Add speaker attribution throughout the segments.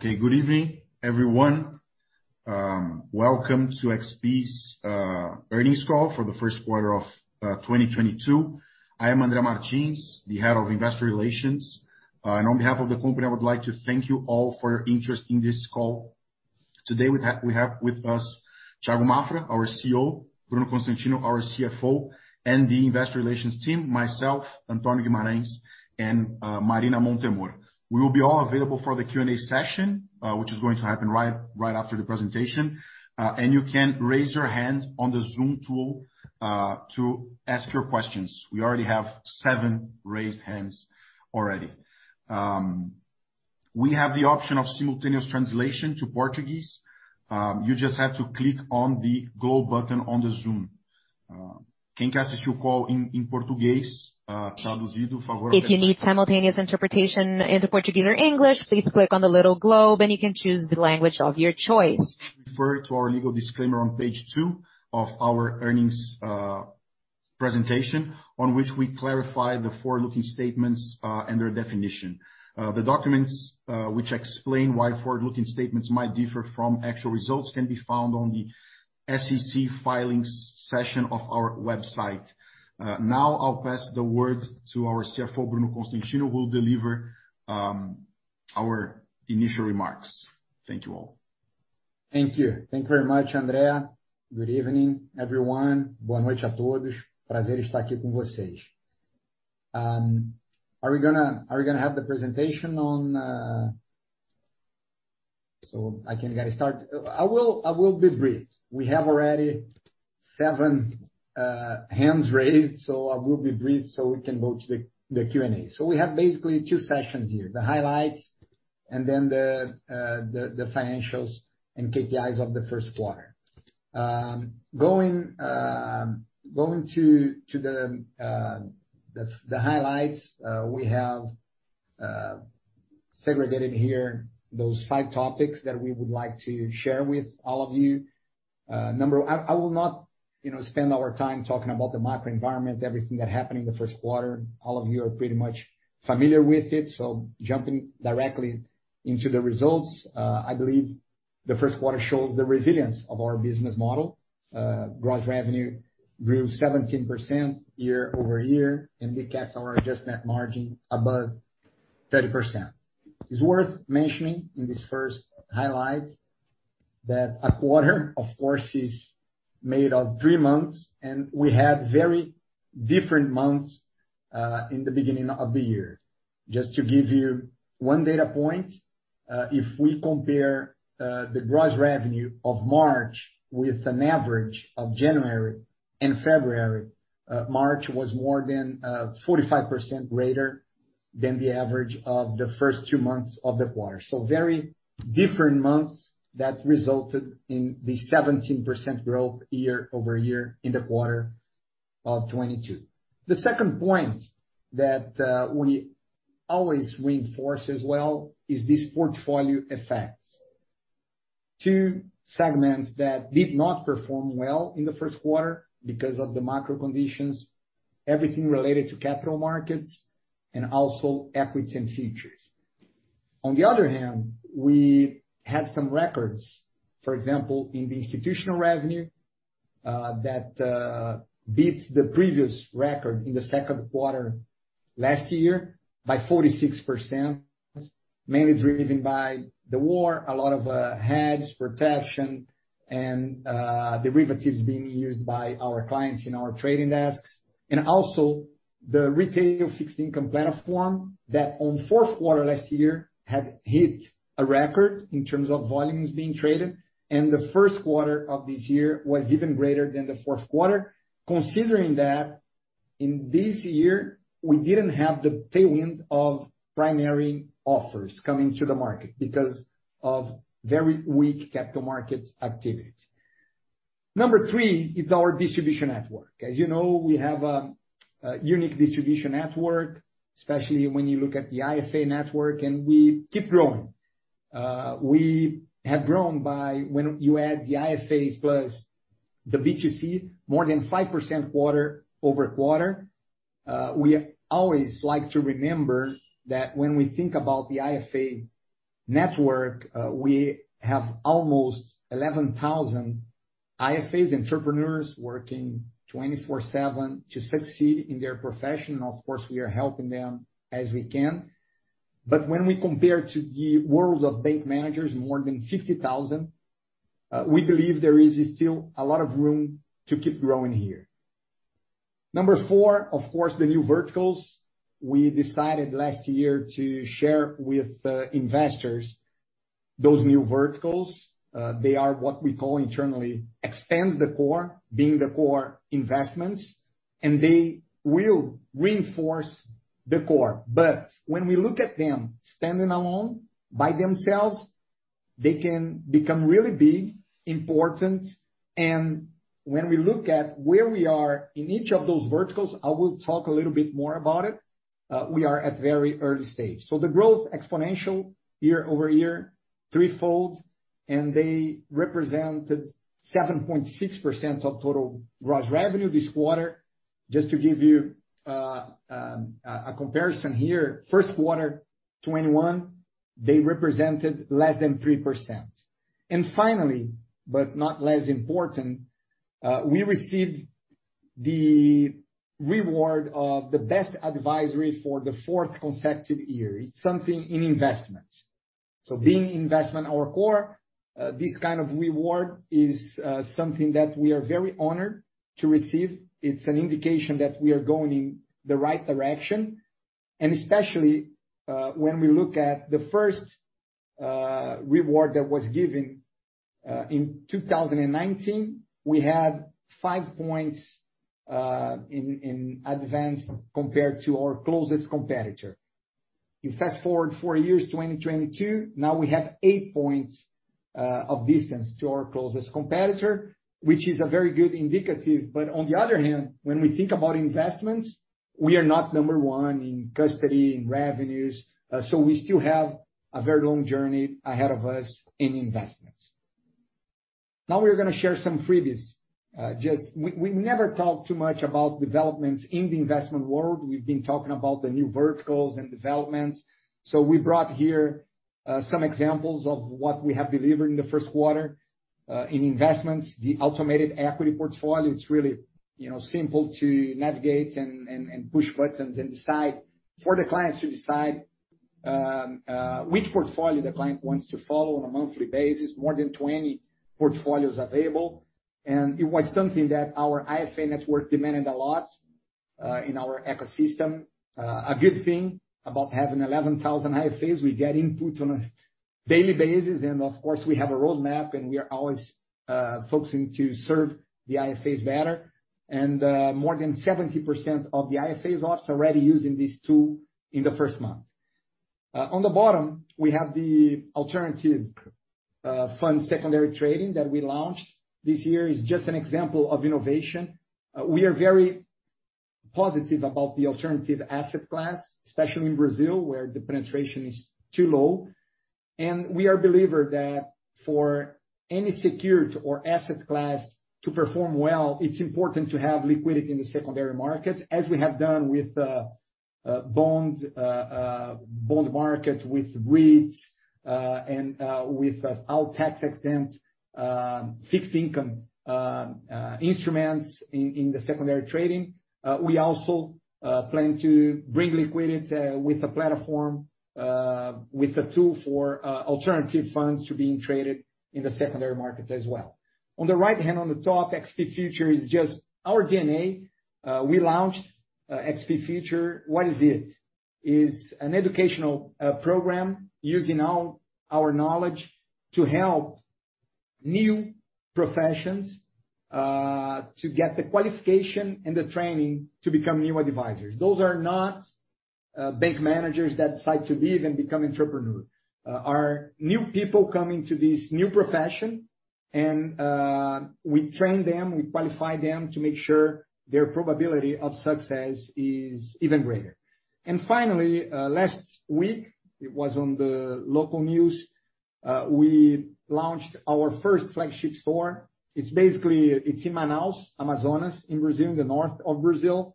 Speaker 1: Good evening, everyone. Welcome to XP's earnings call for the first quarter of 2022. I am Andre Martins, the Head of Investor Relations. On behalf of the company, I would like to thank you all for your interest in this call. Today we have with us Thiago Maffra, our CEO, Bruno Constantino, our CFO, and the investor relations team, myself, Antonio Guimarães, and Marina Montemor. We will all be available for the Q&A session, which is going to happen right after the presentation. You can raise your hand on the Zoom tool to ask your questions. We already have seven raised hands. We have the option of simultaneous translation to Portuguese. You just have to click on the globe button on the Zoom.
Speaker 2: If you need simultaneous interpretation into Portuguese or English, please click on the little globe, and you can choose the language of your choice.
Speaker 1: Refer to our legal disclaimer on page two of our earnings presentation, on which we clarify the forward-looking statements and their definition. The documents which explain why forward-looking statements might differ from actual results can be found on the SEC filings section of our website. Now, I'll pass the word to our CFO, Bruno Constantino, who will deliver our initial remarks. Thank you all.
Speaker 3: Thank you. Thank you very much, Andre. Good evening, everyone. Are we going to have the presentation on so I can get a start. I will be brief. We have already seven hands raised, so I will be brief so we can go to the Q&A. We have basically two sessions here, the highlights and then the financials and KPIs of the first quarter. Going to the highlights, we have segregated here those five topics that we would like to share with all of you. I will not, you know, spend our time talking about the macro environment, everything that happened in the first quarter. All of you are pretty much familiar with it, jumping directly into the results. I believe the first quarter shows the resilience of our business model. Gross revenue grew 17% year-over-year, and we kept our adjusted net margin above 30%. It's worth mentioning in this first highlight that a quarter, of course, is made of three months, and we had very different months in the beginning of the year. Just to give you one data point, if we compare the gross revenue of March with an average of January and February, March was more than 45% greater than the average of the first two months of the quarter. Very different months that resulted in the 17% growth year-over-year in the quarter of 2022. The second point that we always reinforce as well is this portfolio effects. Two segments that did not perform well in the first quarter because of the macro conditions, everything related to capital markets and also equities and futures. On the other hand, we had some records, for example, in the institutional revenue that beat the previous record in the second quarter last year by 46%, mainly driven by the war, a lot of hedge protection and derivatives being used by our clients in our trading desks. Also the retail fixed income platform that on fourth quarter last year had hit a record in terms of volumes being traded, and the first quarter of this year was even greater than the fourth quarter. Considering that in this year we didn't have the tailwinds of primary offers coming to the market because of very weak capital markets activity. Number three is our distribution network. As you know, we have a unique distribution network, especially when you look at the IFA network, and we keep growing. We have grown by when you add the IFAs plus the B2C, more than 5% quarter-over-quarter. We always like to remember that when we think about the IFA network, we have almost 11,000 IFAs, entrepreneurs working 24/7 to succeed in their profession. Of course, we are helping them as we can. When we compare to the world of bank managers, more than 50,000, we believe there is still a lot of room to keep growing here. Number four, of course, the new verticals. We decided last year to share with investors those new verticals. They are what we call internally extends the core, being the core investments, and they will reinforce the core. When we look at them standing alone by themselves, they can become really big, important. When we look at where we are in each of those verticals, I will talk a little bit more about it. We are at very early stage. The growth exponential year-over-year, threefold, and they represented 7.6% of total gross revenue this quarter. Just to give you a comparison here, first quarter 2021, they represented less than 3%. Finally, but not less important, we received the award of the best advisory for the fourth consecutive year. It's something in investments. Being investment our core, this kind of award is something that we are very honored to receive. It's an indication that we are going in the right direction. Especially, when we look at the first reward that was given in 2019, we had five points in advance compared to our closest competitor. You fast-forward four years, 2022, now we have eight points of distance to our closest competitor, which is a very good indicator. On the other hand, when we think about investments, we are not number one in custody, in revenues, so we still have a very long journey ahead of us in investments. Now we are going to share some freebies. We never talk too much about developments in the investment world. We've been talking about the new verticals and developments. We brought here some examples of what we have delivered in the first quarter. In investments, the automated equity portfolio, it's really, you know, simple to navigate and push buttons and decide for the clients to decide which portfolio the client wants to follow on a monthly basis. More than 20 portfolios available. It was something that our IFA network demanded a lot in our ecosystem. A good thing about having 11,000 IFAs, we get input on a daily basis. Of course, we have a roadmap, and we are always focusing to serve the IFAs better. More than 70% of the IFAs are already using this tool in the first month. On the bottom, we have the alternative fund secondary trading that we launched this year. It's just an example of innovation. We are very positive about the alternative asset class, especially in Brazil, where the penetration is too low. We are believers that for any security or asset class to perform well, it's important to have liquidity in the secondary market, as we have done with bond market, with REITs, and with our tax-exempt fixed income instruments in the secondary trading. We also plan to bring liquidity with a platform with a tool for alternative funds to be traded in the secondary market as well. On the right hand on the top, XP Future is just our DNA. We launched XP Future. What is it? It's an educational program using our knowledge to help new professionals to get the qualification and the training to become new advisors. Those are not, bank managers that decide to leave and become entrepreneur. Our new people come into this new profession and, we train them, we qualify them to make sure their probability of success is even greater. Finally, last week, it was on the local news, we launched our first flagship store. It's basically. It's in Manaus, Amazonas in Brazil, the north of Brazil.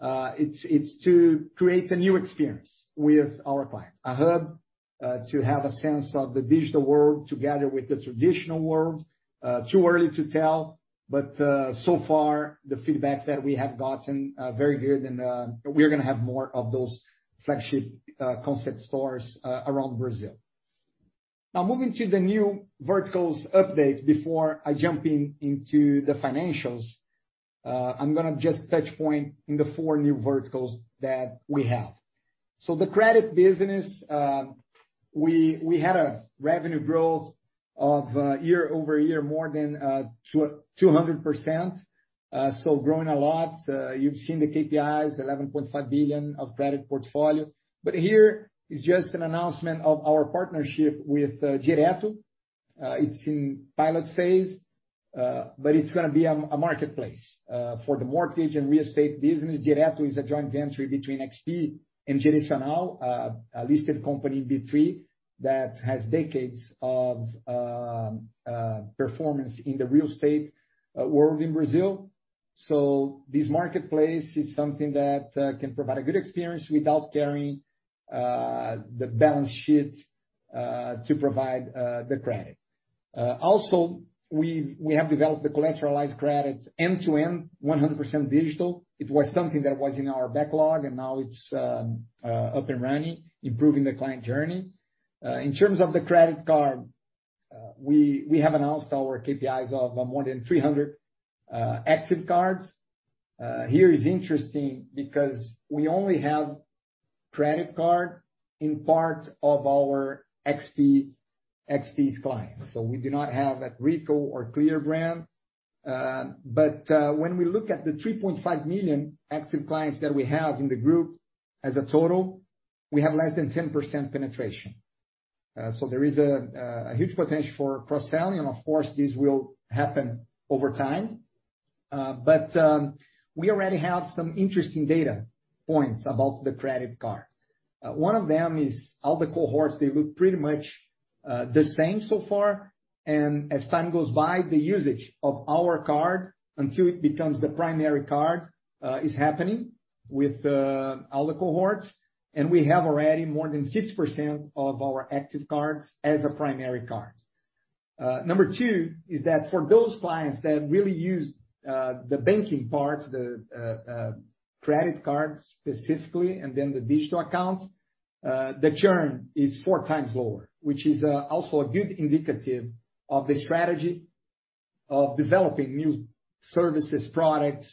Speaker 3: It's to create a new experience with our clients. A hub to have a sense of the digital world together with the traditional world. Too early to tell, but so far the feedback that we have gotten, very good and, we're going to have more of those flagship, concept stores, around Brazil. Now moving to the new verticals updates before I jump into the financials. I'm going to just touch on the four new verticals that we have. The credit business, we had a revenue growth of year-over-year more than 200%, so growing a lot. You've seen the KPIs, 11.5 billion of credit portfolio. Here is just an announcement of our partnership with Direto. It's in pilot phase, but it's going to be a marketplace for the mortgage and real estate business. Direto is a joint venture between XP and Direcional, a listed company in B3 that has decades of performance in the real estate world in Brazil. This marketplace is something that can provide a good experience without carrying the balance sheet to provide the credit. Also we have developed the collateralized credit end-to-end, 100% digital. It was something that was in our backlog, and now it's up and running, improving the client journey. In terms of the credit card, we have announced our KPIs of more than 300 active cards. Here is interesting because we only have credit card in part of our XP's clients. We do not have a Rico or Clear brand. When we look at the 3.5 million active clients that we have in the group as a total, we have less than 10% penetration. There is a huge potential for cross-selling, and of course, this will happen over time. We already have some interesting data points about the credit card. One of them is all the cohorts, they look pretty much the same so far. As time goes by, the usage of our card until it becomes the primary card is happening with all the cohorts. We have already more than 50% of our active cards as a primary card. Number two is that for those clients that really use the banking parts, the credit cards specifically, and then the digital accounts, the churn is 4x lower, which is also a good indicator of the strategy of developing new services products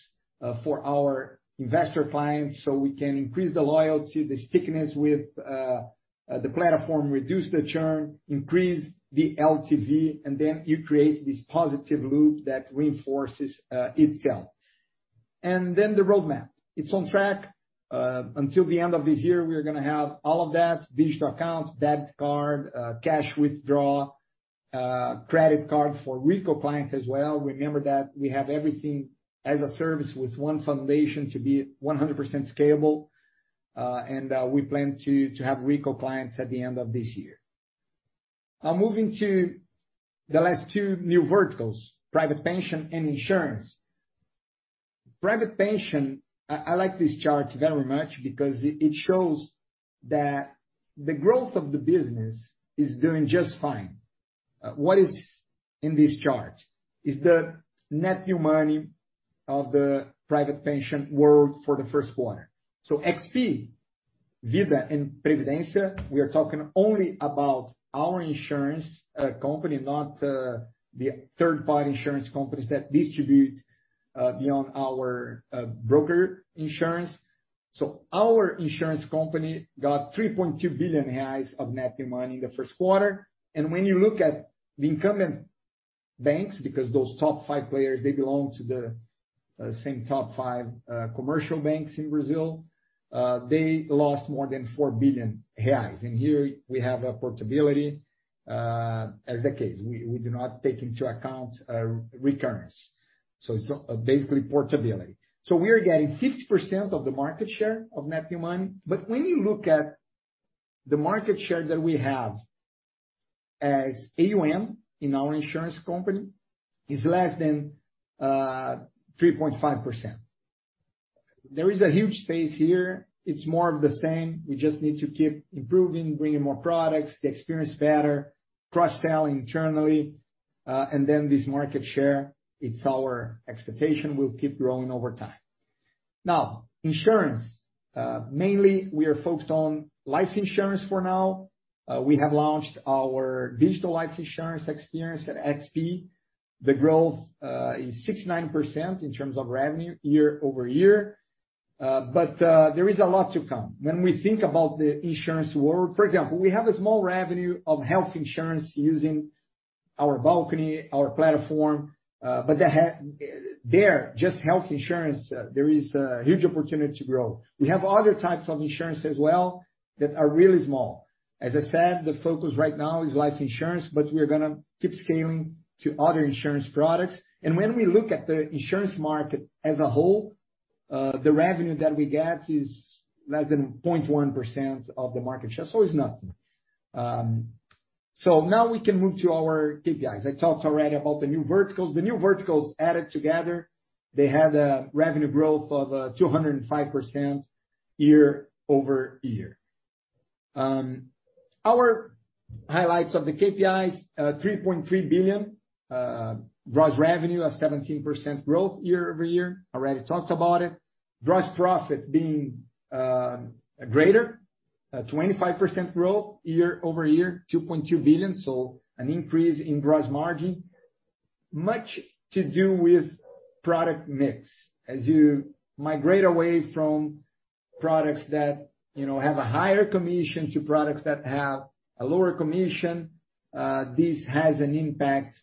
Speaker 3: for our investor clients so we can increase the loyalty, the stickiness with the platform, reduce the churn, increase the LTV, and then you create this positive loop that reinforces itself. The roadmap. It's on track. Until the end of this year, we are going to have all of that, digital accounts, debit card, cash withdrawal, credit card for Rico clients as well. Remember that we have everything as a service with one foundation to be 100% scalable, and we plan to have Rico clients at the end of this year. Now moving to the last two new verticals, private pension and insurance. Private pension, I like this chart very much because it shows that the growth of the business is doing just fine. What is in this chart? It is the net new money of the private pension world for the first quarter. XP Vida e Previdência, we are talking only about our insurance company, not the third-party insurance companies that distribute beyond our broker insurance. Our insurance company got 3.2 billion reais of net new money in the first quarter. When you look at the incumbent banks, because those top five players, they belong to the same top five commercial banks in Brazil, they lost more than 4 billion reais. Here we have a portability as the case. We do not take into account recurrence. It's basically portability. We are getting 50% of the market share of net new money. But when you look at the market share that we have as AUM in our insurance company is less than 3.5%. There is a huge space here. It's more of the same. We just need to keep improving, bringing more products, the experience better, cross-sell internally, and then this market share, it's our expectation will keep growing over time. Now, insurance. Mainly we are focused on life insurance for now. We have launched our digital life insurance experience at XP. The growth is 69% in terms of revenue year-over-year. There is a lot to come. When we think about the insurance world. For example, we have a small revenue of health insurance using our banking, our platform, but there, just health insurance, there is a huge opportunity to grow. We have other types of insurance as well that are really small. As I said, the focus right now is life insurance, but we're going to keep scaling to other insurance products. When we look at the insurance market as a whole, the revenue that we get is less than 0.1% of the market share, so it's nothing. Now we can move to our KPIs. I talked already about the new verticals. The new verticals added together, they had a revenue growth of 205% year-over-year. Our highlights of the KPIs, 3.3 billion gross revenue at 17% growth year-over-year. Already talked about it. Gross profit being greater. 25% growth year-over-year, 2.2 billion, so an increase in gross margin. Much to do with product mix. As you migrate away from products that have a higher commission to products that have a lower commission, this has an impact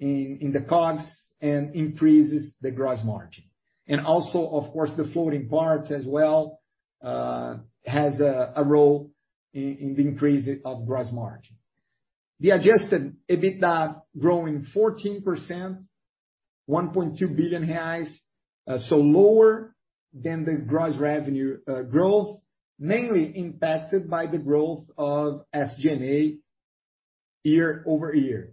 Speaker 3: in the costs and increases the gross margin. Also, of course, the floating parts as well has a role in the increase of gross margin. The Adjusted EBITDA growing 14%, 1.2 billion. Lower than the gross revenue growth, mainly impacted by the growth of SG&A year-over-year.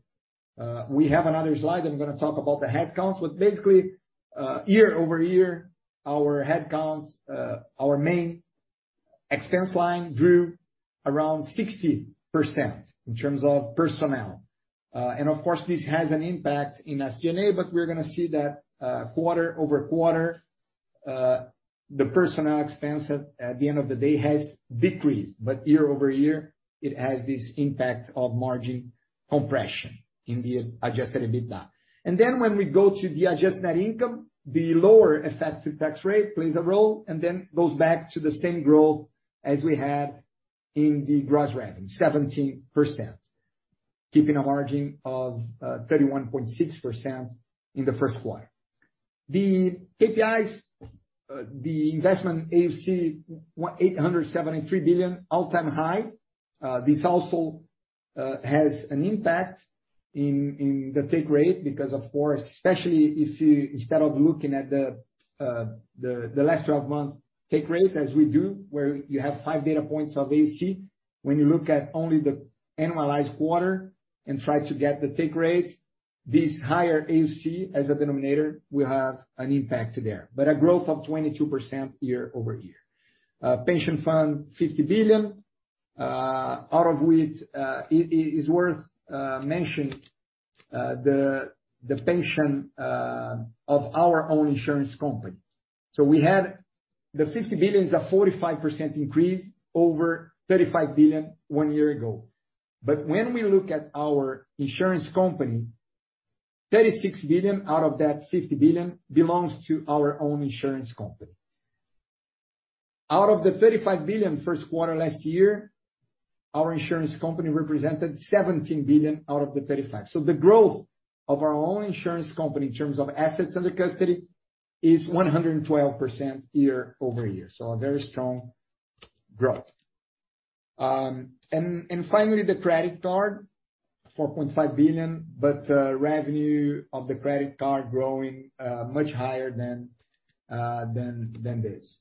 Speaker 3: We have another slide, I'm going to talk about the headcounts. Basically, year-over-year, our headcounts, our main expense line grew around 60% in terms of personnel. Of course, this has an impact in SG&A, but we're going to see that, quarter-over-quarter, the personnel expense at the end of the day has decreased. Year-over-year, it has this impact of margin compression in the Adjusted EBITDA. Then when we go to the adjusted net income, the lower effective tax rate plays a role, and then goes back to the same growth as we had in the gross revenue, 17%, keeping a margin of 31.6% in the first quarter. The KPIs, the investment AUM, 873 billion, all-time high. This also has an impact in the take rate because of course, especially if you, instead of looking at the last twelve-month take rate as we do, where you have five data points of AUC. When you look at only the annualized quarter and try to get the take rate, this higher AUC as a denominator will have an impact there, but a growth of 22% year-over-year. Pension fund 50 billion, out of which, it is worth mentioning, the pension of our own insurance company. We had the 50 billion of 45% increase over 35 billion one year ago. When we look at our insurance company, 36 billion out of that 50 billion belongs to our own insurance company. Out of the $35 billion first quarter last year, our insurance company represented $17 billion out of the $35 billion. The growth of our own insurance company in terms of assets under custody is 112% year-over-year. A very strong growth. Finally, the credit card, $4.5 billion, but revenue of the credit card growing much higher than this.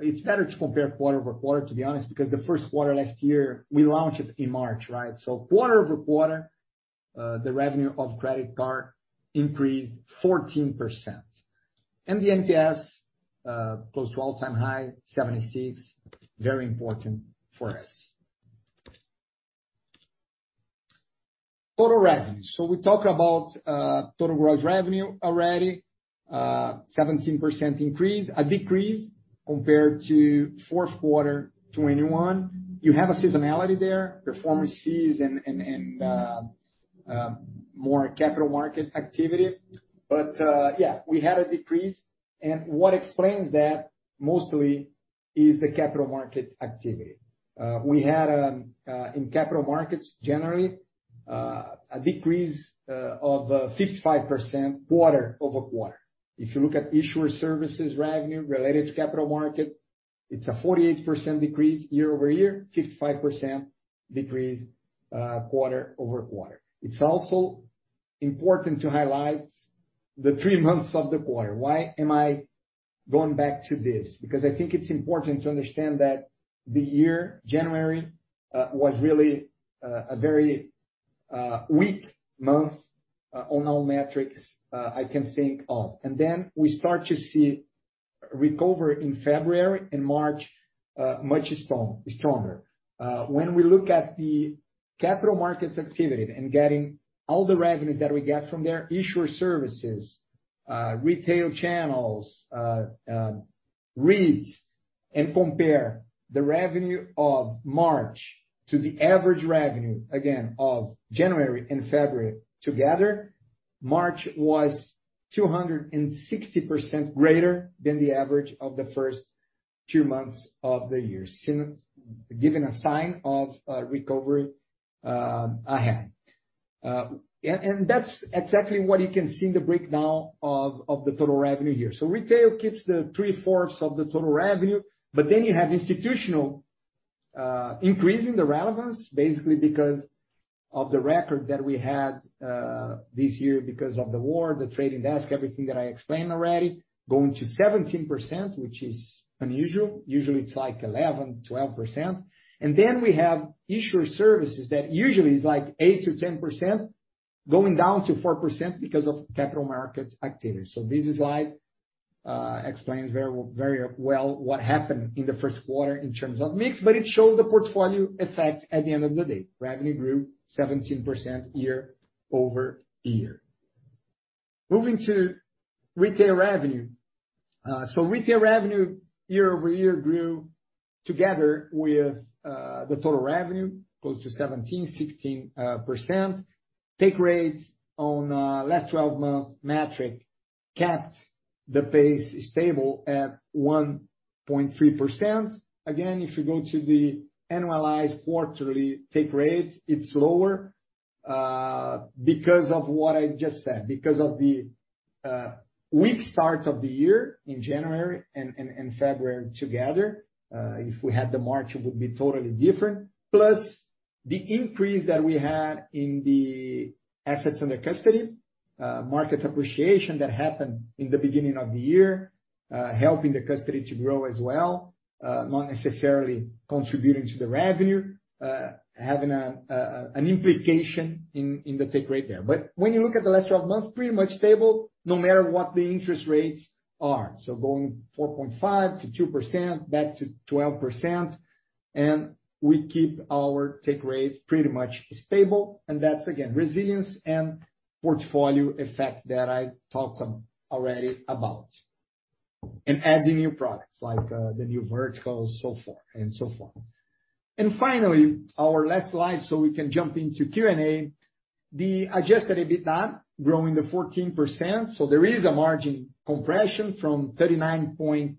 Speaker 3: It's better to compare quarter-over-quarter, to be honest, because the first quarter last year, we launched it in March, right? Quarter-over-quarter, the revenue of credit card increased 14%. The NPS close to all-time high, 76%. Very important for us. Total revenue. We talked about total gross revenue already, 17% increase. A decrease compared to fourth quarter 2021. You have a seasonality there, performance fees and more capital market activity. We had a decrease. What explains that mostly is the capital market activity. We had in capital markets generally a decrease of 55% quarter-over-quarter. If you look at issuer services revenue related to capital markets, it's a 48% decrease year-over-year, 55% decrease quarter-over-quarter. It's also important to highlight the three months of the quarter. Why am I going back to this? Because I think it's important to understand that in January was really a very weak month on all metrics I can think of. Then we start to see recovery in February and March, much stronger. When we look at the capital markets activity and getting all the revenues that we get from their issuer services, retail channels, rates, and compare the revenue of March to the average revenue again of January and February together, March was 260% greater than the average of the first two months of the year since giving a sign of a recovery ahead. That's exactly what you can see in the breakdown of the total revenue here. Retail keeps 3/4 of the total revenue, but then you have institutional increasing the relevance basically because of the record that we had this year because of the war, the trading desk, everything that I explained already, going to 17%, which is unusual. Usually it's like 11%, 12%. We have issuer services that usually is like 8%-10% going down to 4% because of capital markets activity. This slide explains very well what happened in the first quarter in terms of mix, but it shows the portfolio effect at the end of the day. Revenue grew 17% year-over-year. Moving to retail revenue. Retail revenue year-over-year grew together with the total revenue, close to 17%, 16%. Take rates on last twelve month metric kept the pace stable at 1.3%. Again, if you go to the annualized quarterly take rate, it's lower because of what I just said. Because of the weak start of the year in January and February together. If we had the March it would be totally different. The increase that we had in the assets under custody, market appreciation that happened in the beginning of the year, helping the custody to grow as well, not necessarily contributing to the revenue, having an implication in the take rate there. When you look at the last 12 months, pretty much stable no matter what the interest rates are. Going 4.5%-2%, back to 12%, and we keep our take rate pretty much stable. That's again, resilience and portfolio effect that I talked already about. Adding new products like the new verticals, so forth and so forth. Finally, our last slide, so we can jump into Q&A. The Adjusted EBITDA growing to 14%. There is a margin compression from 39.7%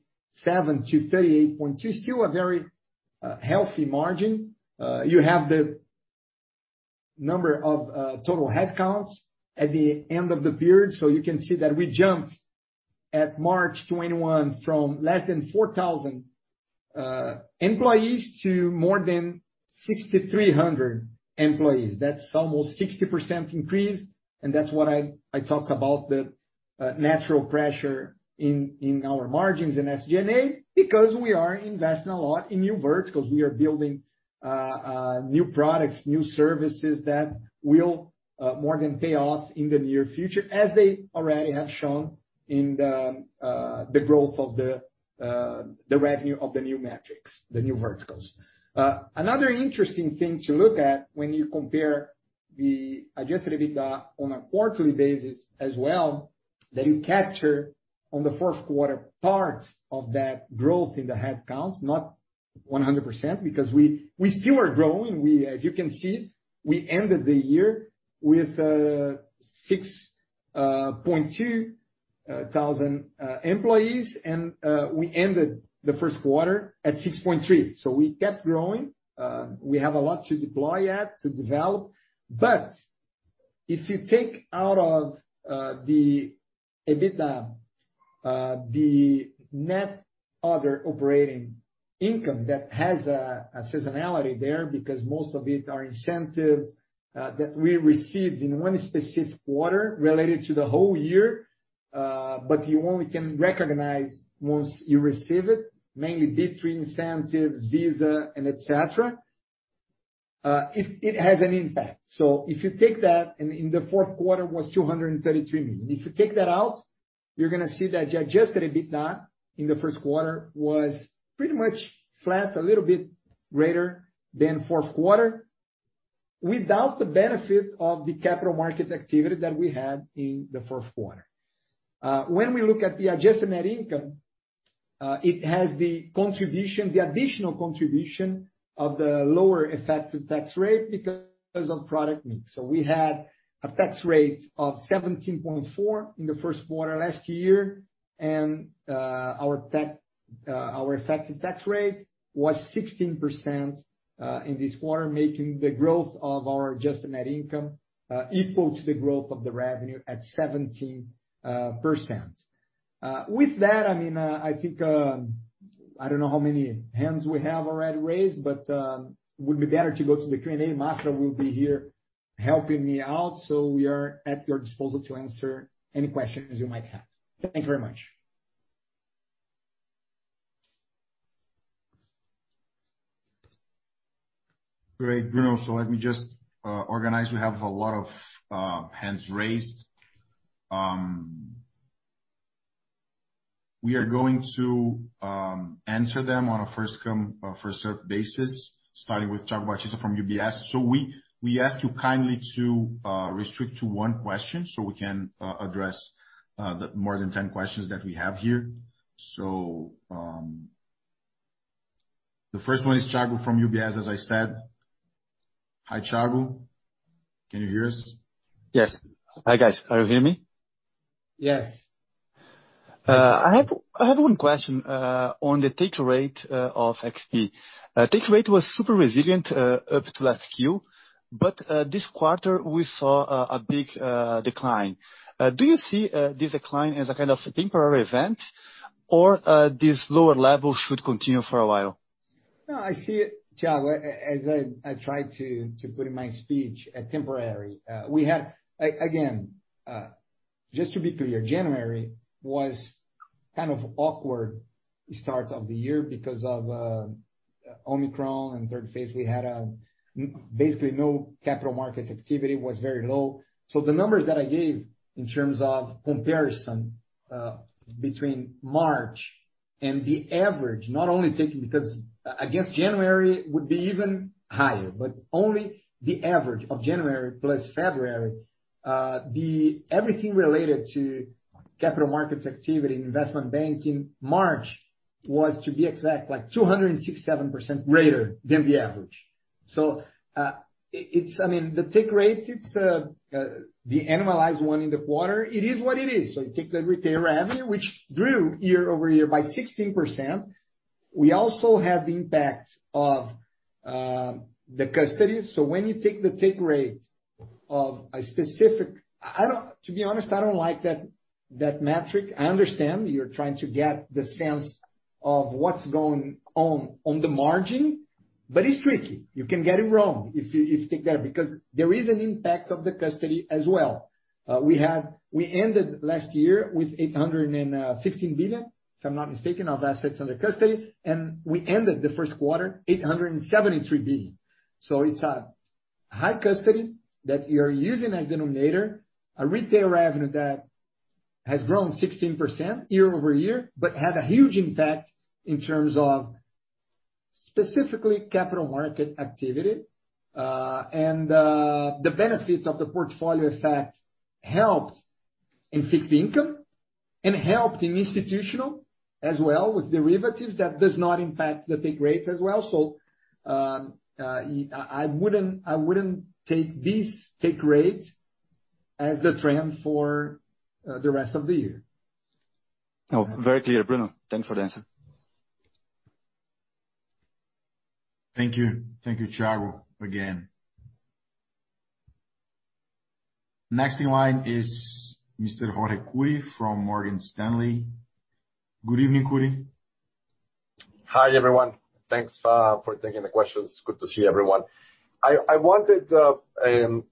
Speaker 3: to 38.2%. Still a very healthy margin. You have the number of total headcounts at the end of the period. You can see that we jumped at March 2021 from less than 4,000 employees to more than 6,300 employees. That's almost 60% increase, and that's what I talked about the natural pressure in our margins in SG&A, because we are investing a lot in new verticals. We are building new products, new services that will more than pay off in the near future, as they already have shown in the growth of the revenue of the new metrics, the new verticals. Another interesting thing to look at when you compare the Adjusted EBITDA on a quarterly basis as well, that you capture in the first quarter part of that growth in the headcounts, not 100% because we still are growing. As you can see, we ended the year with 6,200 employees, and we ended the first quarter at 6,300. We kept growing. We have a lot to deploy at, to develop. If you take out of the EBITDA the net other operating income that has a seasonality there because most of it are incentives that we received in one specific quarter related to the whole year, but you only can recognize once you receive it, mainly Bitfury incentives, Visa, and etc., it has an impact. If you take that, and in the fourth quarter was $233 million. If you take that out, you're going to see that the Adjusted EBITDA in the first quarter was pretty much flat, a little bit greater than fourth quarter. Without the benefit of the capital market activity that we had in the fourth quarter. When we look at the adjusted net income, it has the contribution, the additional contribution of the lower effective tax rate because of product mix. We had a tax rate of 17.4% in the first quarter last year, and, our effective tax rate was 16% in this quarter, making the growth of our adjusted net income equal to the growth of the revenue at 17%. With that, I mean, I think I don't know how many hands we have already raised, but it would be better to go to the Q&A. Maffra will be here helping me out, so we are at your disposal to answer any questions you might have. Thank you very much.
Speaker 1: Great, Bruno. Let me just organize. We have a lot of hands raised. We are going to answer them on a first come, first serve basis, starting with Thiago Batista from UBS. We ask you kindly to restrict to one question so we can address the more than 10 questions that we have here. The first one is Thiago from UBS, as I said. Hi, Thiago. Can you hear us?
Speaker 4: Yes. Hi, guys. Can you hear me?
Speaker 1: Yes.
Speaker 4: I have one question on the take rate of XP. Take rate was super resilient up to last quarter, but this quarter, we saw a big decline. Do you see this decline as a kind of temporary event or this lower level should continue for a while?
Speaker 3: No, I see it, Thiago, as I tried to put in my speech. Again, just to be clear, January was kind of awkward start of the year because of Omicron and third phase. We had basically no capital markets activity; it was very low. The numbers that I gave in terms of comparison between March and the average, not only taking because against January would be even higher, but only the average of January plus February, everything related to capital markets activity, investment banking, March was, to be exact, like 267% greater than the average. It's, I mean, the take rate; it's the annualized one in the quarter. It is what it is. You take the retail revenue, which grew year-over-year by 16%. We also have the impact of the custody. When you take the take rate of a specific. To be honest, I don't like that metric. I understand you're trying to get the sense of what's going on on the margin, but it's tricky. You can get it wrong if you take that because there is an impact of the custody as well. We ended last year with 815 billion, if I'm not mistaken, of assets under custody, and we ended the first quarter 873 billion. It's a high custody that you're using as denominator, a retail revenue that has grown 16% year-over-year, but had a huge impact in terms of specifically capital market activity. The benefits of the portfolio effect helped in fixed income and helped in institutional as well with derivatives that does not impact the take rate as well. I wouldn't take this take rate as the trend for the rest of the year.
Speaker 4: Very clear, Bruno. Thanks for the answer.
Speaker 1: Thank you. Thank you, Thiago, again. Next in line is Mr. Jorge Kuri from Morgan Stanley. Good evening, Kuri.
Speaker 5: Hi, everyone. Thanks for taking the questions. Good to see everyone. I wanted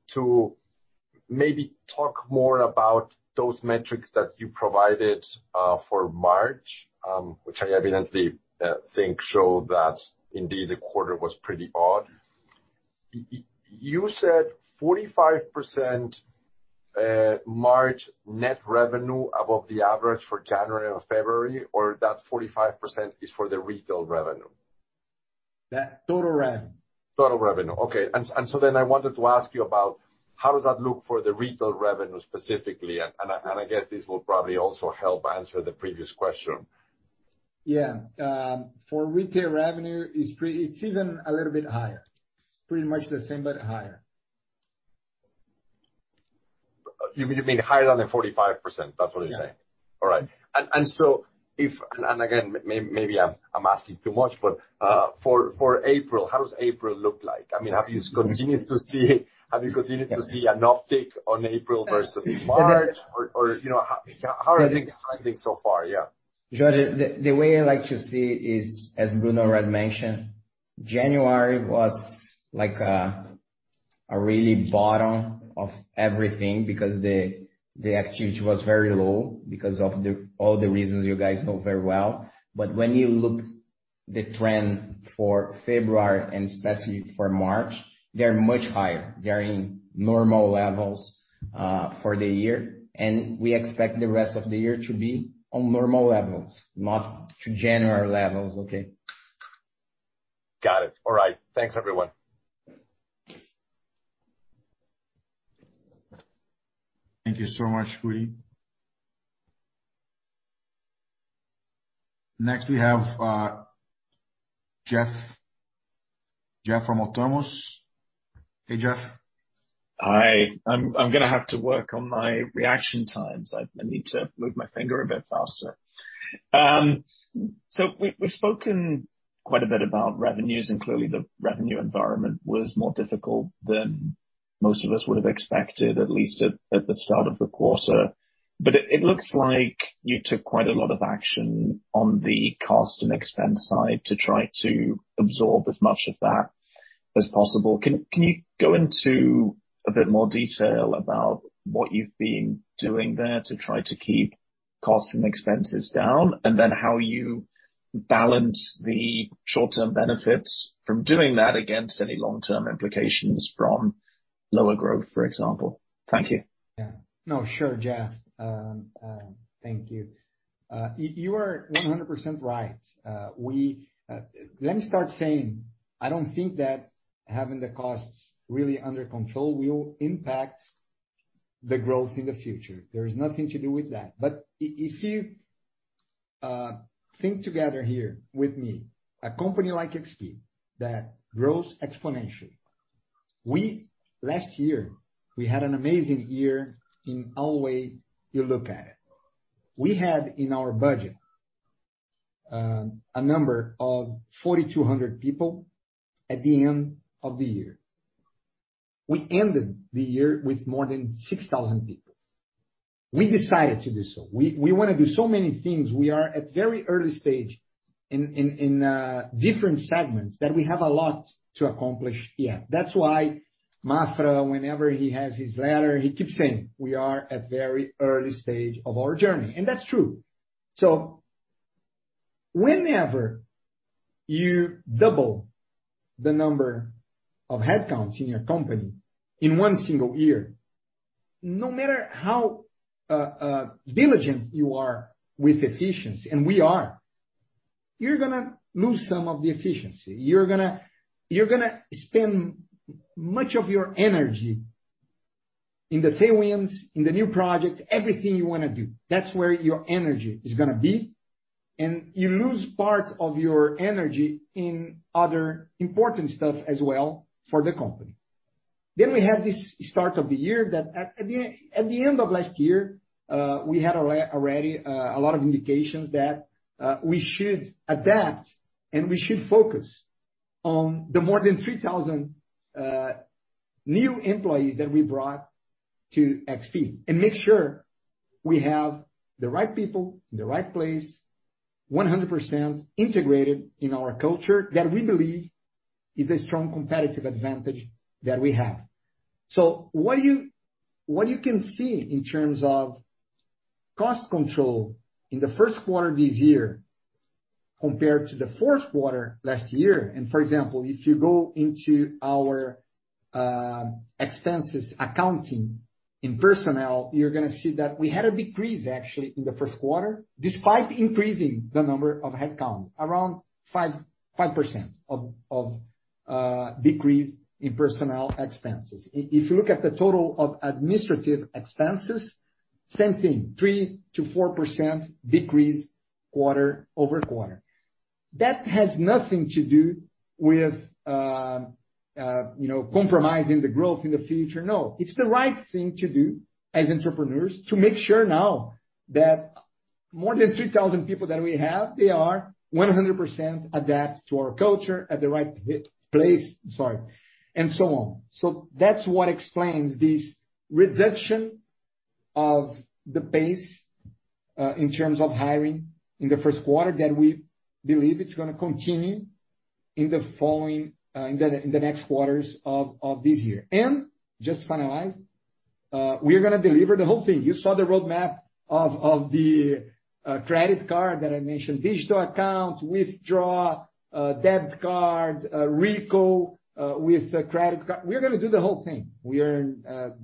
Speaker 5: to maybe talk more about those metrics that you provided for March, which I evidently think show that indeed the quarter was pretty odd. You said 45%, March net revenue above the average for January or February, or that 45% is for the retail revenue?
Speaker 3: That total rev.
Speaker 5: Total revenue, okay. I wanted to ask you about how does that look for the retail revenue specifically, and I guess this will probably also help answer the previous question.
Speaker 3: Yeah. For retail revenue, it's even a little bit higher. Pretty much the same, but higher.
Speaker 5: You mean higher than the 45%, that's what you're saying? All right. Again, maybe I'm asking too much, but for April, how does April look like? I mean, have you continued to see an uptick in April versus March? You know, how are things trending so far, yeah?
Speaker 6: Jorge, the way I like to see is, as Bruno already mentioned, January was like a really bottom of everything because the activity was very low because of all the reasons you guys know very well. When you look at the trend for February and especially for March, they are much higher. They are in normal levels for the year, and we expect the rest of the year to be on normal levels, not to January levels. Okay?
Speaker 5: Got it. All right. Thanks, everyone.
Speaker 1: Thank you so much, Kuri. Next we have Jeff. Jeff from Autonomous. Hey, Jeff.
Speaker 7: Hi. I'm going to have to work on my reaction times. I need to move my finger a bit faster. We've spoken quite a bit about revenues, and clearly the revenue environment was more difficult than most of us would have expected, at least at the start of the quarter. It looks like you took quite a lot of action on the cost and expense side to try to absorb as much of that as possible. Can you go into a bit more detail about what you've been doing there to try to keep costs and expenses down? Then how you balance the short-term benefits from doing that against any long-term implications from lower growth, for example? Thank you.
Speaker 3: Sure, Jeff. Thank you. You are 100% right. Let me start saying, I don't think that having the costs really under control will impact the growth in the future. There is nothing to do with that. If you think together here with me, a company like XP that grows exponentially. Last year we had an amazing year in any way you look at it. We had in our budget a number of 4,200 people at the end of the year. We ended the year with more than 6,000 people. We decided to do so. We wanna do so many things. We are at very early stage in different segments that we have a lot to accomplish here. That's why Maffra, whenever he has his letter, he keeps saying, "We are at very early stage of our journey." That's true. Whenever you double the number of headcounts in your company in one single year, no matter how diligent you are with efficiency, and we are, you're going to lose some of the efficiency. You're going to spend much of your energy in the tailwinds, in the new projects, everything you wanna do. That's where your energy is going to be, and you lose part of your energy in other important stuff as well for the company. We have this start of the year that at the end of last year, we had already a lot of indications that we should adapt, and we should focus on the more than 3,000 new employees that we brought to XP and make sure we have the right people in the right place 100% integrated in our culture that we believe is a strong competitive advantage that we have. What you can see in terms of cost control in the first quarter of this year compared to the fourth quarter last year and for example, if you go into our expenses accounting in personnel, you're going to see that we had a decrease actually in the first quarter, despite increasing the number of headcount around 5% decrease in personnel expenses. If you look at the total of administrative expenses, same thing, 3%-4% decrease quarter-over-quarter. That has nothing to do with compromising the growth in the future. No, it's the right thing to do as entrepreneurs to make sure now that more than 3,000 people that we have, they are 100% adapt to our culture at the right place, sorry, and so on. That's what explains this reduction of the pace in terms of hiring in the first quarter that we believe it's going to continue in the next quarters of this year. Just to finalize, we're going to deliver the whole thing. You saw the roadmap of the credit card that I mentioned, digital accounts, withdraw, debit cards, Rico with the credit card. We're going to do the whole thing. We are.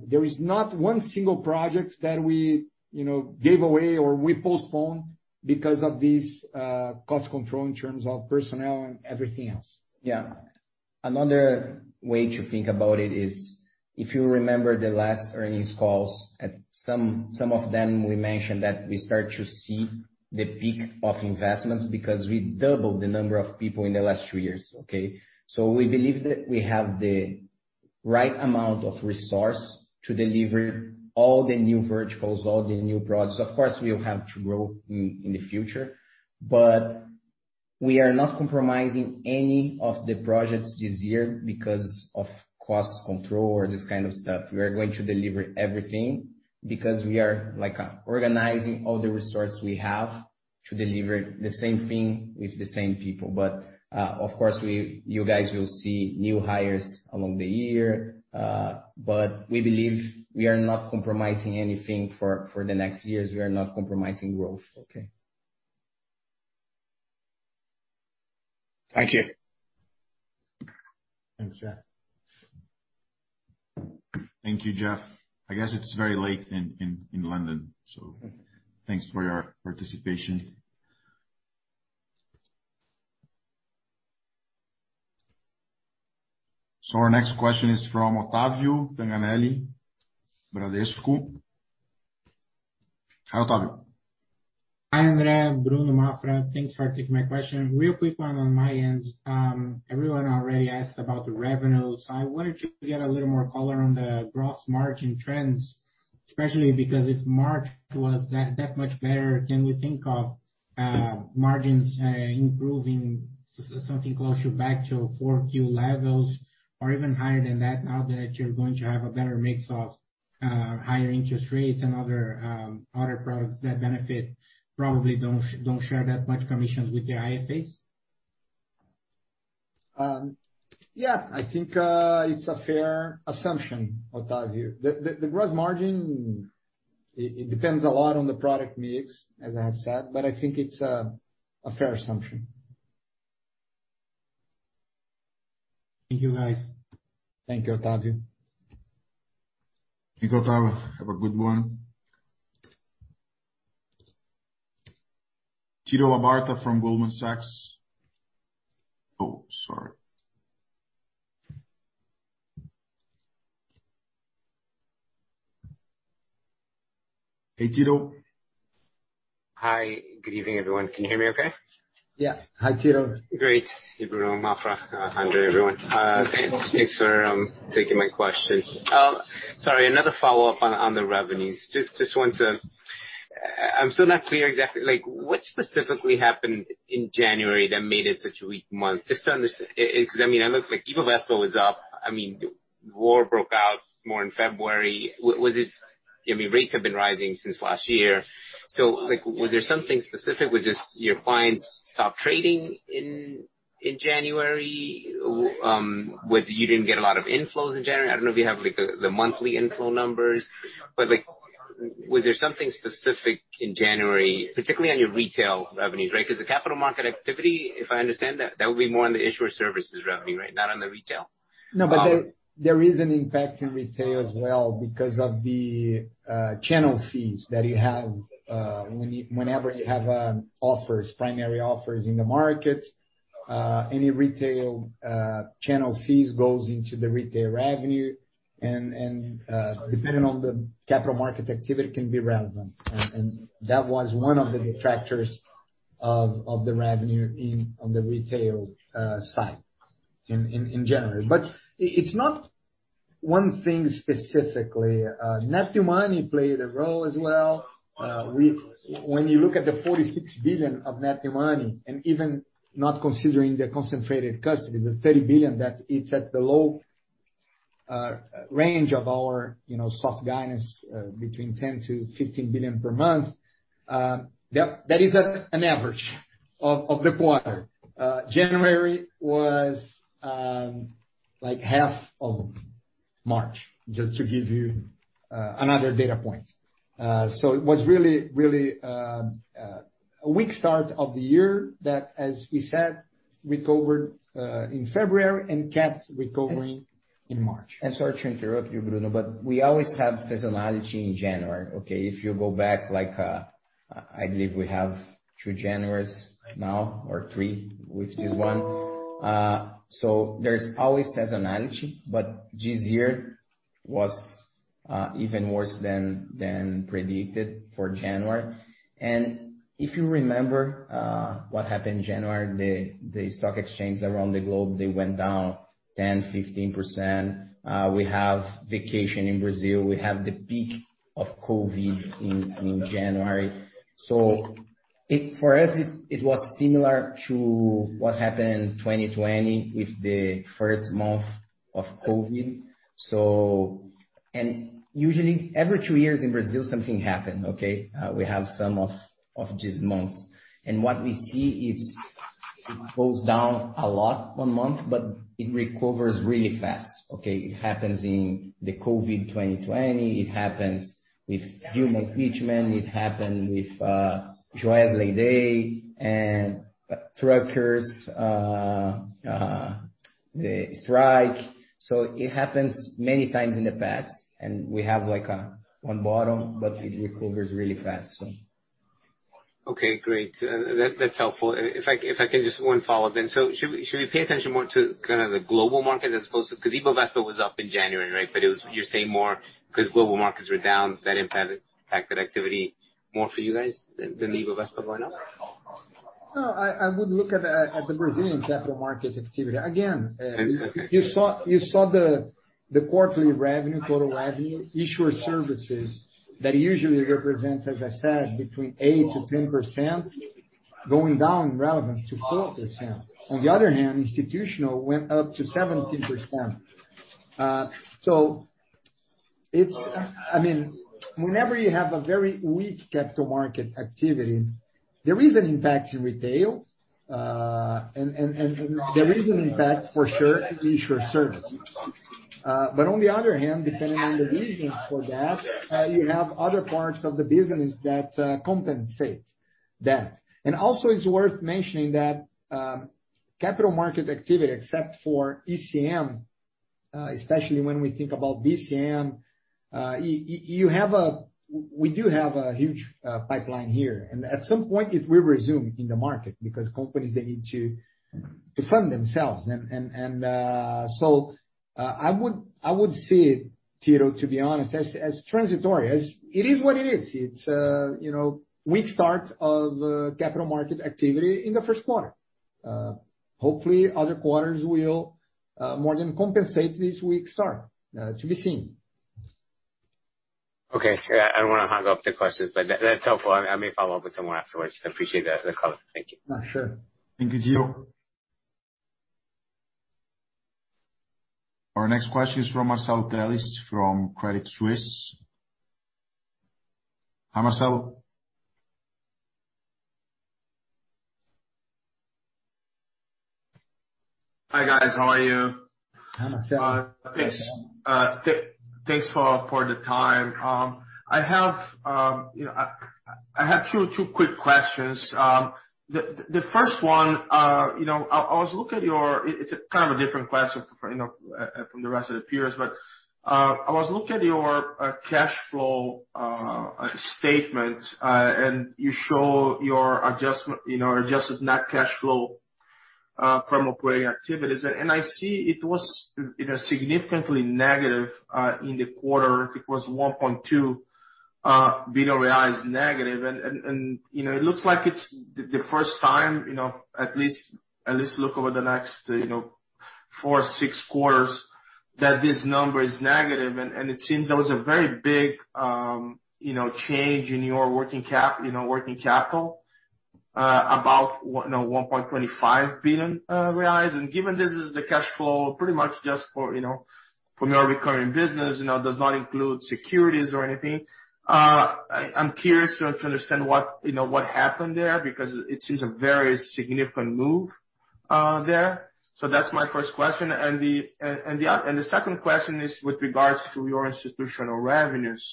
Speaker 3: There is not one single project that we, you know, gave away or we postpone because of this, cost control in terms of personnel and everything else.
Speaker 6: Another way to think about it is, if you remember the last earnings calls, at some of them we mentioned that we start to see the peak of investments because we doubled the number of people in the last two years, okay? We believe that we have the right amount of resource to deliver all the new verticals, all the new projects. Of course, we'll have to grow in the future, but we are not compromising any of the projects this year because of cost control or this kind of stuff. We are going to deliver everything because we are like organizing all the resources we have to deliver the same thing with the same people. Of course you guys will see new hires along the year, but we believe we are not compromising anything for the next years. We are not compromising growth. Okay?
Speaker 7: Thank you.
Speaker 1: Thanks, Jeff. Thank you, Jeff. I guess it's very late in London, so thanks for your participation. Our next question is from Otavio Tanganelli, Bradesco BBI. Hi, Otavio.
Speaker 8: Hi, André Martins, Bruno Constantino, Thiago Maffra. Thanks for taking my question. Real quick one on my end. Everyone already asked about the revenues. I wanted to get a little more color on the gross margin trends, especially because if March was that much better, can we think of margins improving something closer back to Q4 levels or even higher than that now that you're going to have a better mix of higher interest rates and other products that benefit probably don't share that much commissions with the IFAs?
Speaker 3: Yeah, I think it's a fair assumption, Otavio. The gross margin, it depends a lot on the product mix, as I have said, but I think it's a fair assumption.
Speaker 8: Thank you, guys.
Speaker 6: Thank you, Otavio.
Speaker 1: Thank you, Otavio. Have a good one. Tito Labarta from Goldman Sachs. Oh, sorry. Hey, Tito.
Speaker 9: Hi. Good evening, everyone. Can you hear me okay?
Speaker 3: Yeah. Hi, Tito.
Speaker 9: Great. Hey, Bruno, Maffra, Andre, everyone. Thanks for taking my question. Sorry, another follow-up on the revenues. Just want to. I'm still not clear exactly like what specifically happened in January that made it such a weak month. Beause I mean, it looks like Ibovespa was up. I mean, war broke out more in February. Was it. I mean, rates have been rising since last year. Like, was there something specific? Was just your clients stopped trading in January? You didn't get a lot of inflows in January? I don't know if you have like the monthly inflow numbers, but like, was there something specific in January, particularly on your retail revenues, right? Beause the capital market activity, if I understand that would be more on the issuer services revenue, right, not on the retail?
Speaker 3: No, but there is an impact in retail as well because of the channel fees that you have. Whenever you have offers, primary offers in the market, any retail channel fees goes into the retail revenue and, depending on the capital market activity, can be relevant. That was one of the detractors of the revenue on the retail side in general. It's not one thing specifically. Net new money played a role as well. When you look at the $46 billion of net new money and even not considering the concentrated custody, the $30 billion that it's at the low range of our, you know, soft guidance, between $10 billion-$15 billion per month, that is an average of the quarter. January was like half of March, just to give you another data point. It was really a weak start of the year that, as we said, recovered in February and kept recovering in March.
Speaker 6: Sorry to interrupt you, Bruno, but we always have seasonality in January, okay? If you go back like, I believe we have two Januaries now or three with this one. There's always seasonality, but this year was even worse than predicted for January. If you remember what happened January, the stock exchanges around the globe, they went down 10%-15%. We have vacation in Brazil. We have the peak of COVID in January. For us, it was similar to what happened 2020 with the first month of COVID. Usually every two years in Brazil, something happen, okay? We have some of these months. What we see is it goes down a lot one month, but it recovers really fast, okay? It happens in the COVID 2020, it happens with Dilma impeachment, it happened with Joesley day and truckers the strike. It happens many times in the past, and we have like one bottom, but it recovers really fast.
Speaker 9: Okay, great. That's helpful. If I can just one follow-up then. Should we pay attention more to kinda the global market as opposed to. Because Ibovespa was up in January, right? You're saying more because global markets were down, that impacted activity more for you guys than the Ibovespa going up?
Speaker 3: No, I would look at the Brazilian capital markets activity. Again You saw the quarterly revenue, total revenue, issuer services that usually represents, as I said, between 8%-10%, going down in relevance to 4%. On the other hand, institutional went up to 17%. It's I mean, whenever you have a very weak capital market activity, there is an impact in retail, and there is an impact for sure in issuer services. But on the other hand, depending on the reasons for that, you have other parts of the business that compensate that. Also it's worth mentioning that, capital market activity, except for ECM, especially when we think about DCM, you have a we do have a huge pipeline here. At some point it will resume in the market because companies they need to fund themselves. I would see it, Tito, to be honest, as transitory. As it is what it is. It's a, you know, weak start of capital market activity in the first quarter. Hopefully other quarters will more than compensate this weak start. To be seen.
Speaker 9: Okay. I don't wanna hog up the questions, but that's helpful. I may follow up with someone afterwards. I appreciate the color. Thank you.
Speaker 1: Sure. Thank you, Tito. Our next question is from Marcelo Telles from Credit Suisse. Marcelo?
Speaker 10: Hi, guys. How are you?
Speaker 3: Hi, Marcelo.
Speaker 10: Thanks for the time. I have, you know, I have two quick questions. The first one, you know, I was looking at your. It's a kind of a different question from, you know, from the rest of the peers, but I was looking at your cash flow statement. You show your adjustment, you know, adjusted net cash flow from operating activities. I see it was significantly negative in the quarter. It was 1.2 billion reais negative. You know, it looks like it's the first time, you know, at least looking over the next, you know, four to six quarters that this number is negative. It seems there was a very big change in your working cap, working capital, about 1.25 billion reais. Given this is the cash flow pretty much just for from your recurring business, does not include securities or anything, I'm curious to understand what happened there, because it seems a very significant move there. That's my first question. The second question is with regards to your institutional revenues.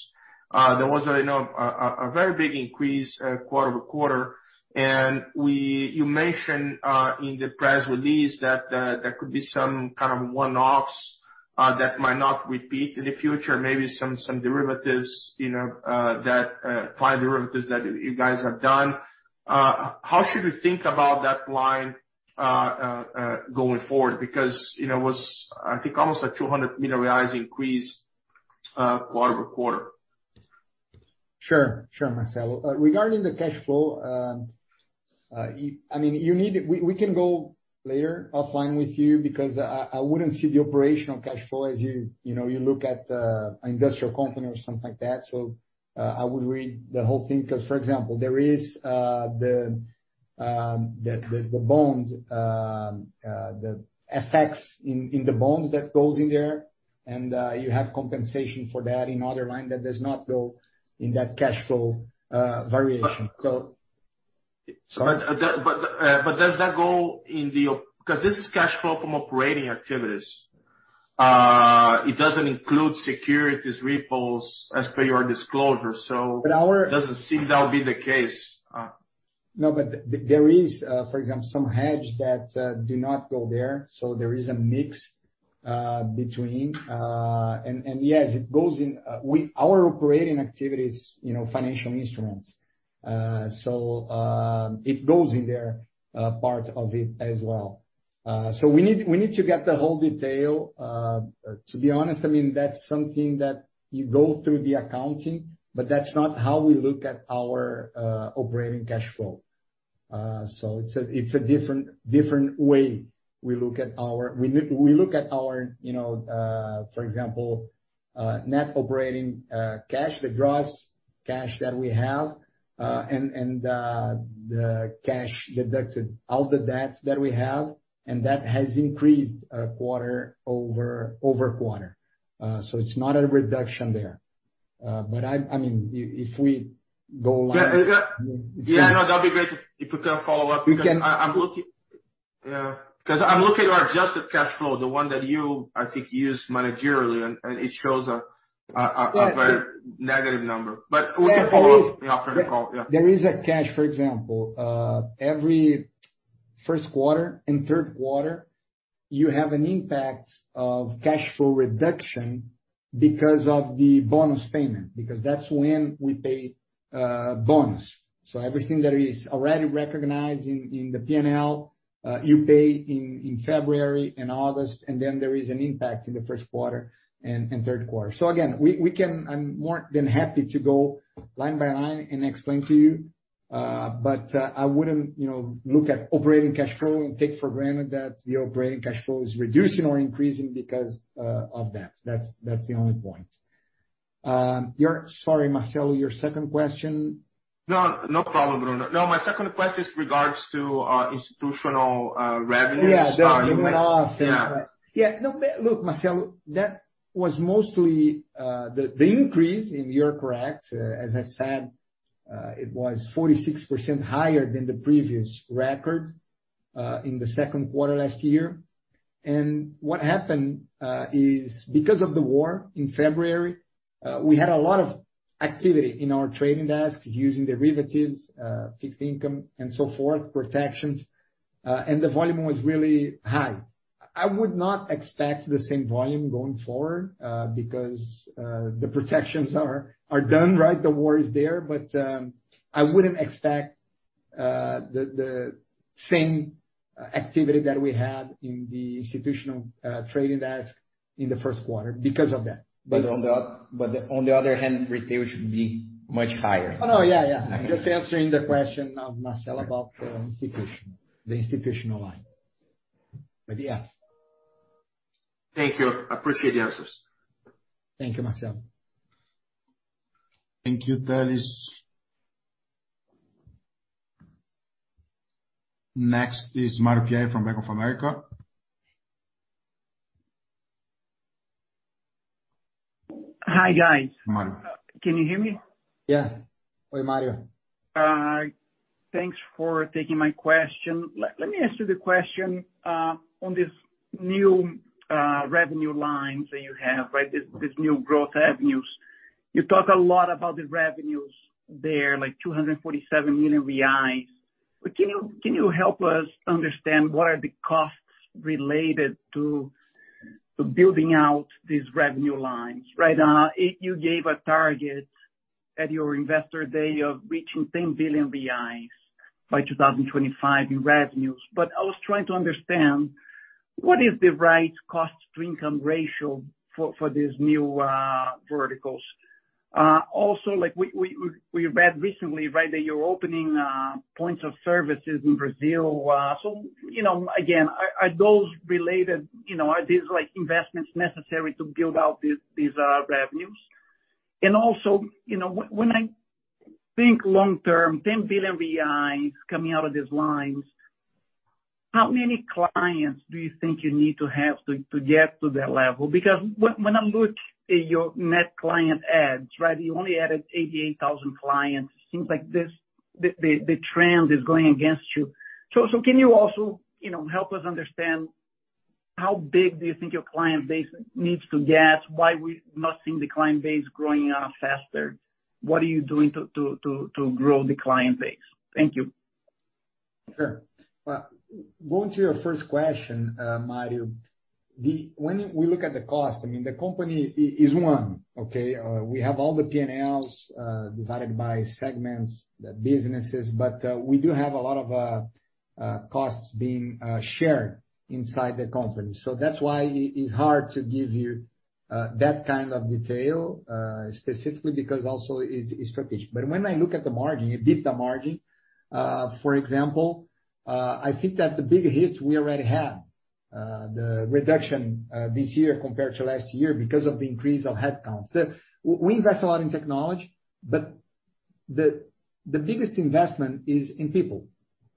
Speaker 10: There was a very big increase quarter-over-quarter, and you mention in the press release that there could be some kind of one-offs that might not repeat in the future. Maybe some derivatives, you know, that five derivatives that you guys have done. How should we think about that line going forward? Because you know, it was, I think, almost a 200 million reais increase quarter-over-quarter.
Speaker 3: Sure, Marcelo. Regarding the cash flow, we can go later offline with you because I wouldn't see the operational cash flow as you know, you look at industrial company or something like that. I would read the whole thing because, for example, there is the bond, the effects in the bonds that goes in there, and you have compensation for that in other line that does not go in that cash flow variation.
Speaker 10: Does that go in, because this is cash flow from operating activities. It doesn't include securities, repos, as per your disclosure. It doesn't seem that would be the case.
Speaker 3: No, but there is, for example, some hedge that do not go there. There is a mix between. Yes, it goes in with our operating activities, you know, financial instruments. It goes in there, part of it as well. We need to get the whole detail. To be honest, I mean, that's something that you go through the accounting, but that's not how we look at our operating cash flow. It's a different way we look at our. We look at our, you know, for example, net operating cash, the gross cash that we have, and the cash deducted all the debts that we have, and that has increased quarter-over-quarter.
Speaker 1: It's not a reduction there. I mean, if we go on-
Speaker 10: Yeah, yeah. Yeah, I know. That'd be great if you can follow up.
Speaker 1: We can.
Speaker 10: Because I'm looking at our adjusted cash flow, the one that you, I think, use managerially, and it shows a Very negative number. We can follow up after the call. Yeah.
Speaker 3: There is a cash, for example, every first quarter and third quarter, you have an impact of cash flow reduction because of the bonus payment, because that's when we pay bonus. Everything that is already recognized in the P&L, you pay in February and August, and then there is an impact in the first quarter and third quarter. Again, we can. I'm more than happy to go line by line and explain to you. I wouldn't, you know, look at operating cash flow and take for granted that the operating cash flow is reducing or increasing because of that. That's the only point. Sorry, Marcelo, your second question.
Speaker 10: No, no problem, Bruno. No, my second question is regards to institutional revenues.
Speaker 6: No, but look, Marcelo, that was mostly the increase, and you are correct, as I said, it was 46% higher than the previous record in the second quarter last year. What happened is because of the war in February, we had a lot of activity in our trading desks using derivatives, fixed income and so forth, protections, and the volume was really high. I would not expect the same volume going forward, because the protections are done, right? The war is there. I wouldn't expect the same activity that we had in the institutional trading desk in the first quarter because of that.
Speaker 3: On the other hand, retail should be much higher. Oh, yeah. Just answering the question of Marcelo about the institution, the institutional line. Yeah.
Speaker 10: Thank you. I appreciate the answers.
Speaker 1: Thank you, Marcelo. Thank you, Telles. Next is Mario Pierry from Bank of America.
Speaker 11: Hi, guys.
Speaker 1: Mario.
Speaker 11: Can you hear me?
Speaker 3: Yeah. Hi, Mario.
Speaker 11: Thanks for taking my question. Let me ask you the question on this new revenue lines that you have, right? This new growth avenues. You talk a lot about the revenues there, like 247 million reais. But can you help us understand what are the costs related to building out these revenue lines, right? You gave a target at your investor day of reaching 10 billion reais by 2025 in revenues. I was trying to understand what is the right cost-to-income ratio for these new verticals? Also, like we read recently, right, that you're opening points of services in Brazil. You know, again, are those related, you know, are these like investments necessary to build out these revenues? You know, when I think long term, 10 billion reais coming out of these lines, how many clients do you think you need to have to get to that level? Because when I look at your net client adds, right, you only added 88,000 clients. It seems like the trend is going against you. Can you also, you know, help us understand how big do you think your client base needs to get? Why we not seeing the client base growing faster? What are you doing to grow the client base? Thank you.
Speaker 3: Sure. Going to your first question, Mario, when we look at the cost, I mean, the company is one, okay? We have all the P&Ls divided by segments, the businesses, but we do have a lot of costs being shared inside the company. That's why it's hard to give you that kind of detail, specifically because also is strategic. When I look at the margin, EBITDA margin, for example, I think that the big hits we already had, the reduction this year compared to last year because of the increase of headcounts. We invest a lot in technology, but the biggest investment is in people.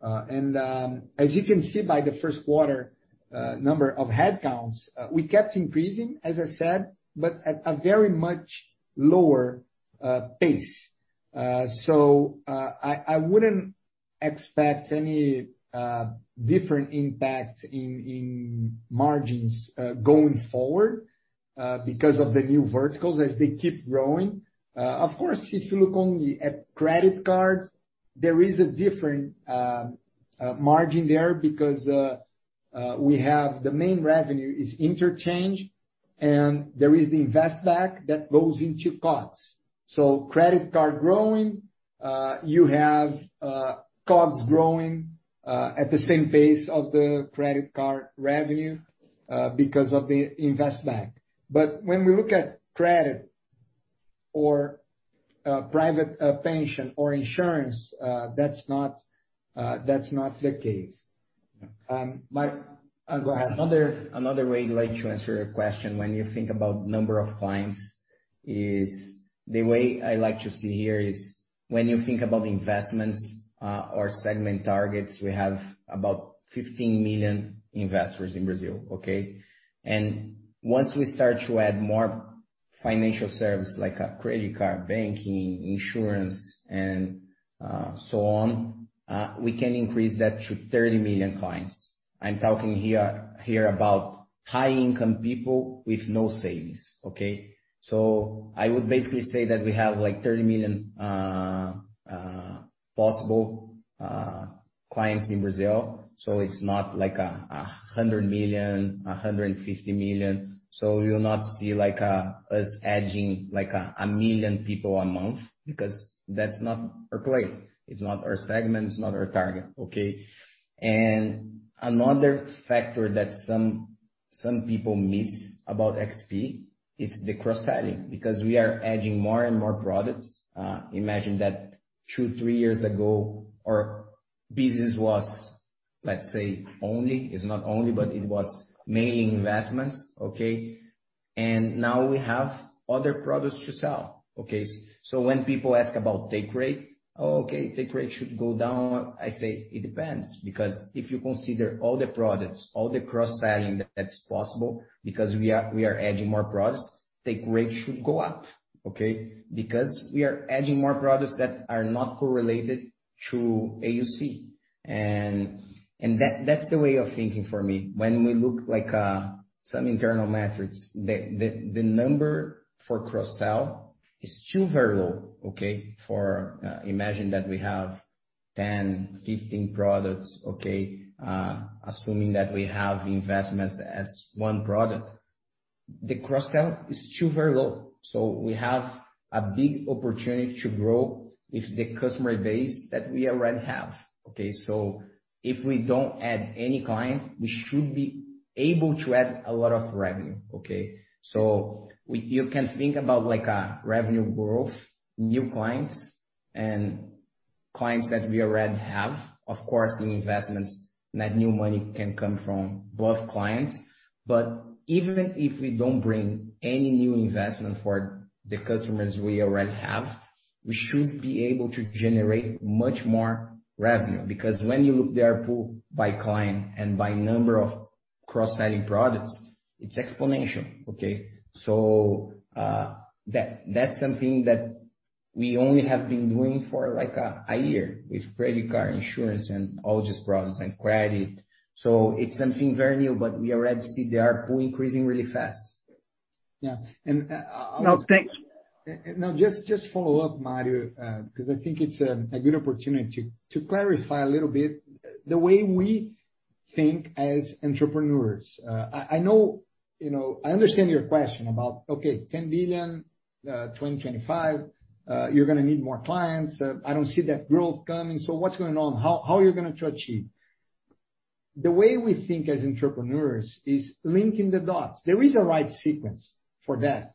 Speaker 3: As you can see by the first quarter number of headcounts, we kept increasing, as I said, but at a very much lower pace. I wouldn't expect any different impact in margins going forward because of the new verticals as they keep growing. Of course, if you look only at credit cards, there is a different margin there because we have the main revenue is interchange. There is the interchange fee that goes into COGS. Credit card growing, you have COGS growing at the same pace of the credit card revenue because of the interchange fee. When we look at credit or private pension or insurance, that's not the case.
Speaker 1: Go ahead.
Speaker 6: Another way I'd like to answer your question when you think about number of clients is the way I like to see here is when you think about investments or segment targets, we have about 15 million investors in Brazil, okay? Once we start to add more financial service like a credit card, banking, insurance and so on, we can increase that to 30 million clients. I'm talking here about high income people with no savings, okay? I would basically say that we have like 30 million possible clients in Brazil, so it's not like a 100 million, 150 million. You'll not see like us adding like a 1 million people a month because that's not our play. It's not our segment, it's not our target, okay? Another factor that some people miss about XP is the cross-selling, because we are adding more and more products. Imagine that twoto three years ago, our business was, let's say, only, it's not only, but it was mainly investments, okay? Now we have other products to sell. Okay? When people ask about take rate, "Oh, okay, take rate should go down." I say, it depends, because if you consider all the products, all the cross-selling that's possible because we are adding more products, take rate should go up, okay? Because we are adding more products that are not correlated to AUC. That that's the way of thinking for me. When we look like some internal metrics, the number for cross-sell is still very low, okay? Imagine that we have 10, 15 products, okay? Assuming that we have the investments as one product. The cross-sell is still very low. We have a big opportunity to grow if the customer base that we already have, okay? If we don't add any client, we should be able to add a lot of revenue, okay? You can think about like a revenue growth, new clients and clients that we already have. Of course, the investments, that new money can come from both clients. Even if we don't bring any new investment for the customers we already have, we should be able to generate much more revenue. Because when you look at ARPU by client and by number of cross-selling products, it's exponential, okay? That's something that we only have been doing for like a year with credit card, insurance and all these products and credit. It's something very new, but we already see the ARPU increasing really fast.
Speaker 11: Yeah.
Speaker 3: No, just follow up, Mario, because I think it's a good opportunity to clarify a little bit the way we think as entrepreneurs. I know, you know, I understand your question about, okay, 10 billion, 2025, you're going to need more clients. I don't see that growth coming. What's going on? How are you going to achieve? The way we think as entrepreneurs is linking the dots. There is a right sequence for that.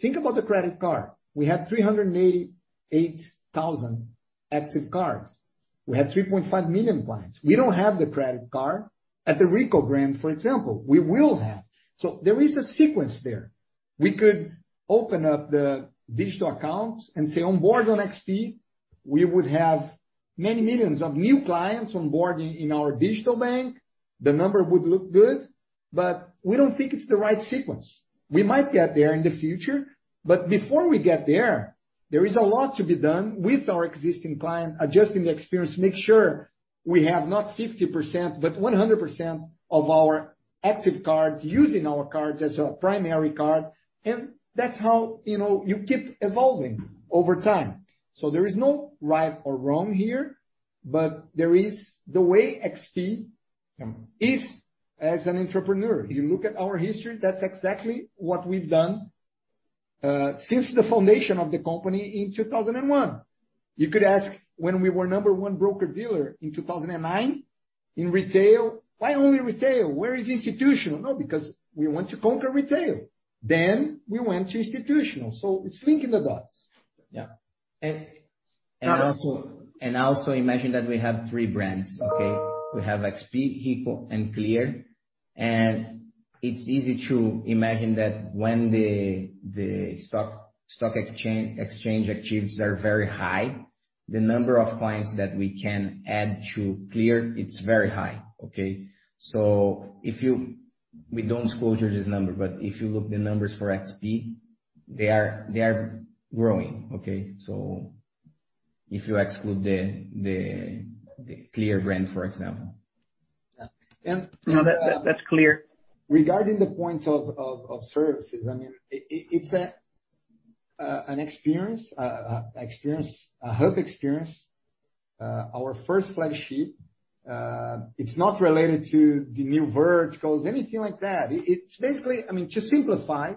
Speaker 3: Think about the credit card. We have 388,000 active cards. We have 3.5 million clients. We don't have the credit card at the Rico brand, for example. We will have. There is a sequence there. We could open up the digital accounts and say on board on XP, we would have many millions of new clients on board in our digital bank. The number would look good, but we don't think it's the right sequence. We might get there in the future, but before we get there is a lot to be done with our existing client, adjusting the experience, make sure we have not 50%, but 100% of our active cards using our cards as a primary card. That's how, you know, you keep evolving over time. There is no right or wrong here, but there is the way XP is as an entrepreneur. You look at our history, that's exactly what we've done since the foundation of the company in 2001. You could ask when we were number one broker-dealer in 2009 in retail, why only retail? Where is institutional? No, because we want to conquer retail. Then we went to institutional. It's linking the dots.
Speaker 6: Yeah. Imagine that we have three brands, okay? We have XP, Rico and Clear. It's easy to imagine that when the stock exchange rates are very high, the number of clients that we can add to Clear, it's very high, okay? We don't disclose to you this number, but if you look at the numbers for XP, they are growing, okay? If you exclude the Clear brand, for example.
Speaker 11: No, that's clear.
Speaker 3: Regarding the point of services, I mean, it's an experience, a hub experience, our first flagship. It's not related to the new verticals, anything like that. It's basically. I mean, to simplify,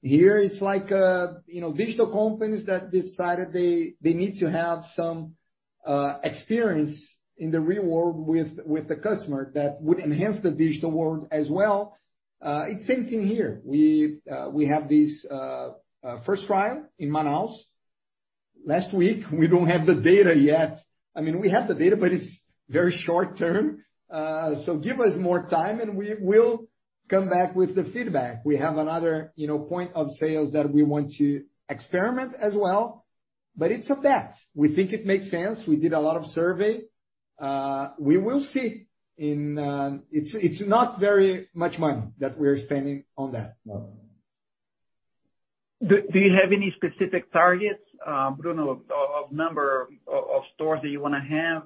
Speaker 3: here it's like, you know, digital companies that decided they need to have some experience in the real world with the customer that would enhance the digital world as well. It's the same thing here. We have this first trial in Manaus last week. We don't have the data yet. I mean, we have the data, but it's very short term. Give us more time and we will come back with the feedback. We have another, you know, point of sales that we want to experiment as well, but it's a bet. We think it makes sense. We did a lot of survey. It's not very much money that we're spending on that.
Speaker 11: Do you have any specific targets, Bruno, of number of stores that you wanna have?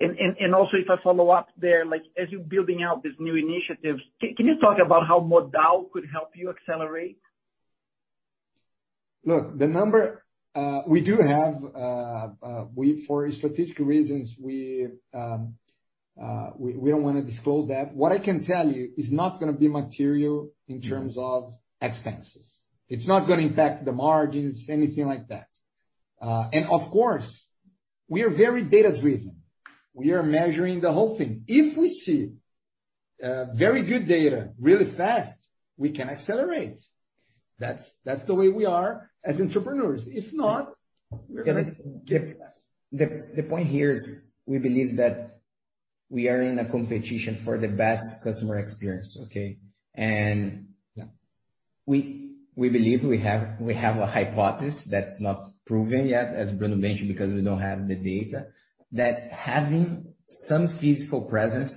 Speaker 11: Also if I follow up there, like, as you're building out these new initiatives, can you talk about how Modal could help you accelerate?
Speaker 3: Look, the number we do have. For strategic reasons, we don't wanna disclose that. What I can tell you, it's not going to be material in terms of expenses. It's not going to impact the margins, anything like that. Of course, we are very data-driven. We are measuring the whole thing. If we see very good data really fast, we can accelerate. That's the way we are as entrepreneurs. If not, we're going to
Speaker 6: The point here is we believe that we are in a competition for the best customer experience, okay? We believe we have a hypothesis that's not proven yet, as Bruno mentioned, because we don't have the data, that having some physical presence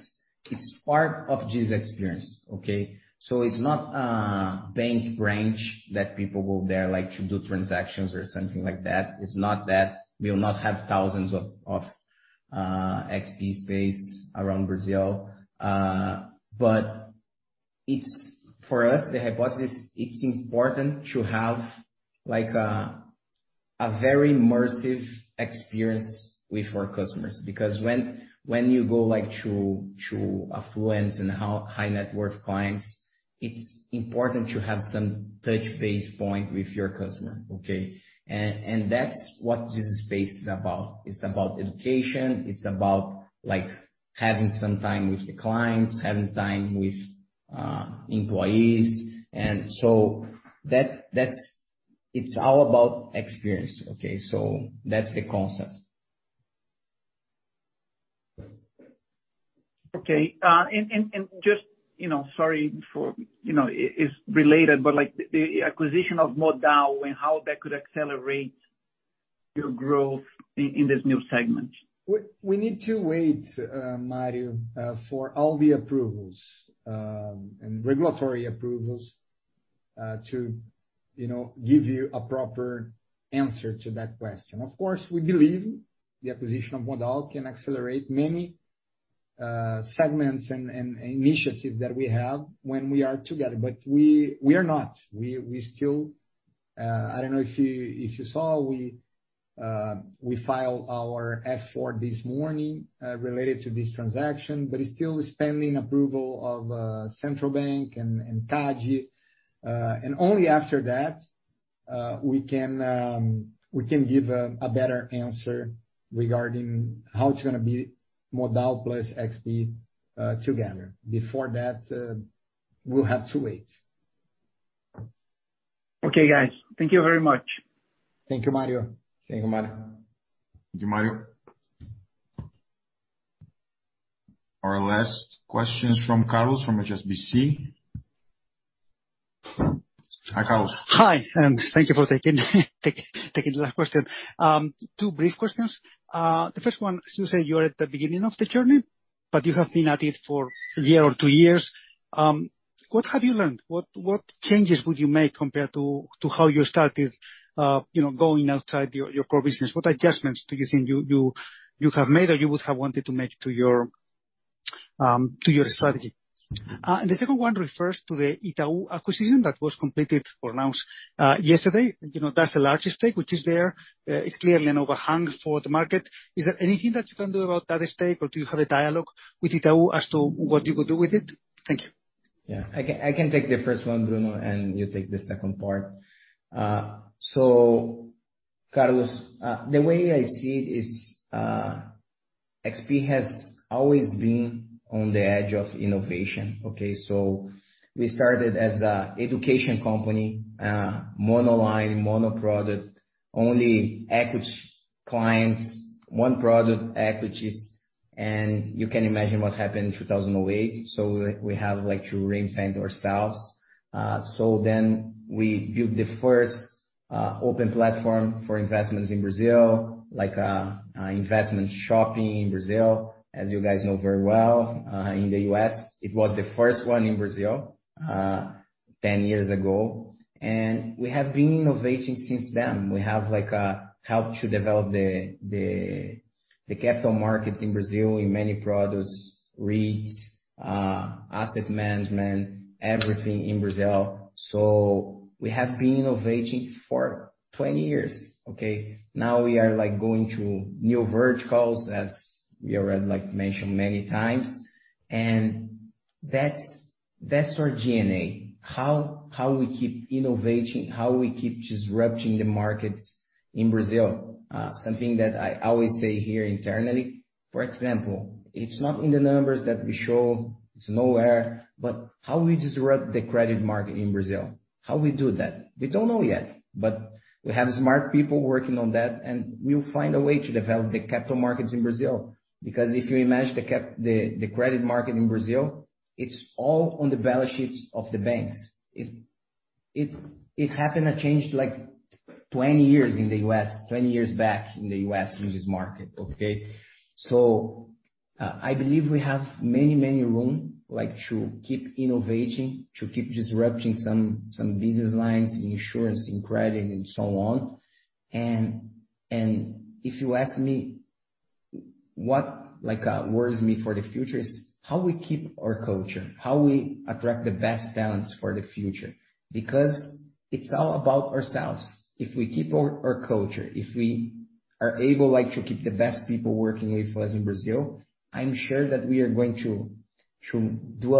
Speaker 6: is part of this experience, okay. It's not a bank branch that people go there, like, to do transactions or something like that. It's not that. We will not have thousands of XP space around Brazil. But for us, the hypothesis, it's important to have, like, a very immersive experience with our customers. Because when you go, like, to affluent and high-net-worth clients, it's important to have some touchpoint with your customer, okay. That's what this space is about. It's about education. It's about, like, having some time with the clients, having time with employees. That's all about experience, okay. That's the concept.
Speaker 11: Okay. Just, you know, it's related, but like, the acquisition of Modal and how that could accelerate your growth in this new segment.
Speaker 3: We need to wait, Mario, for all the approvals and regulatory approvals to, you know, give you a proper answer to that question. Of course, we believe the acquisition of Modal can accelerate many segments and initiatives that we have when we are together. I don't know if you saw, we filed our F-4 this morning related to this transaction. It's still pending approval of central bank and CADE. And only after that, we can give a better answer regarding how it's going to be Modal plus XP together. Before that, we'll have to wait.
Speaker 11: Okay, guys. Thank you very much.
Speaker 3: Thank you, Mario.
Speaker 6: Thank you, Mario.
Speaker 1: Thank you, Mario. Our last question is from Carlos, from HSBC. Hi, Carlos.
Speaker 12: Hi, thank you for taking the last question. Two brief questions. The first one, so you say you're at the beginning of the journey, but you have been at it for a year or two years. What have you learned? What changes would you make compared to how you started, you know, going outside your core business? What adjustments do you think you have made or you would have wanted to make to your strategy? The second one refers to the Itaú acquisition that was completed or announced, yesterday. You know, that's the largest stake which is there. It's clearly an overhang for the market. Is there anything that you can do about that stake, or do you have a dialogue with Itaú as to what you could do with it? Thank you.
Speaker 6: I can take the first one, Bruno, and you take the second part. Carlos, the way I see it is, XP has always been on the edge of innovation, okay? We started as an education company, monoline, monoproduct, only equity clients, one product equities. You can imagine what happened in 2008. We had, like, to reinvent ourselves. We built the first open platform for investments in Brazil, like, investment shopping in Brazil, as you guys know very well, in the U.S. It was the first one in Brazil, 10 years ago. We have been innovating since then. We have, like, helped to develop the capital markets in Brazil in many products, REITs, asset management, everything in Brazil. We have been innovating for 20 years, okay? Now we are, like, going to new verticals, as we already, like, mentioned many times. That's our DNA. How we keep innovating, how we keep disrupting the markets in Brazil. Something that I always say here internally, for example, it's not in the numbers that we show, it's nowhere. But how we disrupt the credit market in Brazil? How we do that? We don't know yet. But we have smart people working on that, and we'll find a way to develop the capital markets in Brazil. Because if you imagine the credit market in Brazil, it's all on the balance sheets of the banks. It happened a change like 20 years in the US, 20 years back in the US in this market, okay? I believe we have much room, like, to keep innovating, to keep disrupting some business lines in insurance, in credit and so on. If you ask me what worries me for the future is how we keep our culture, how we attract the best talents for the future. Because it's all about ourselves. If we keep our culture, if we are able, like, to keep the best people working with us in Brazil, I'm sure that we are going to do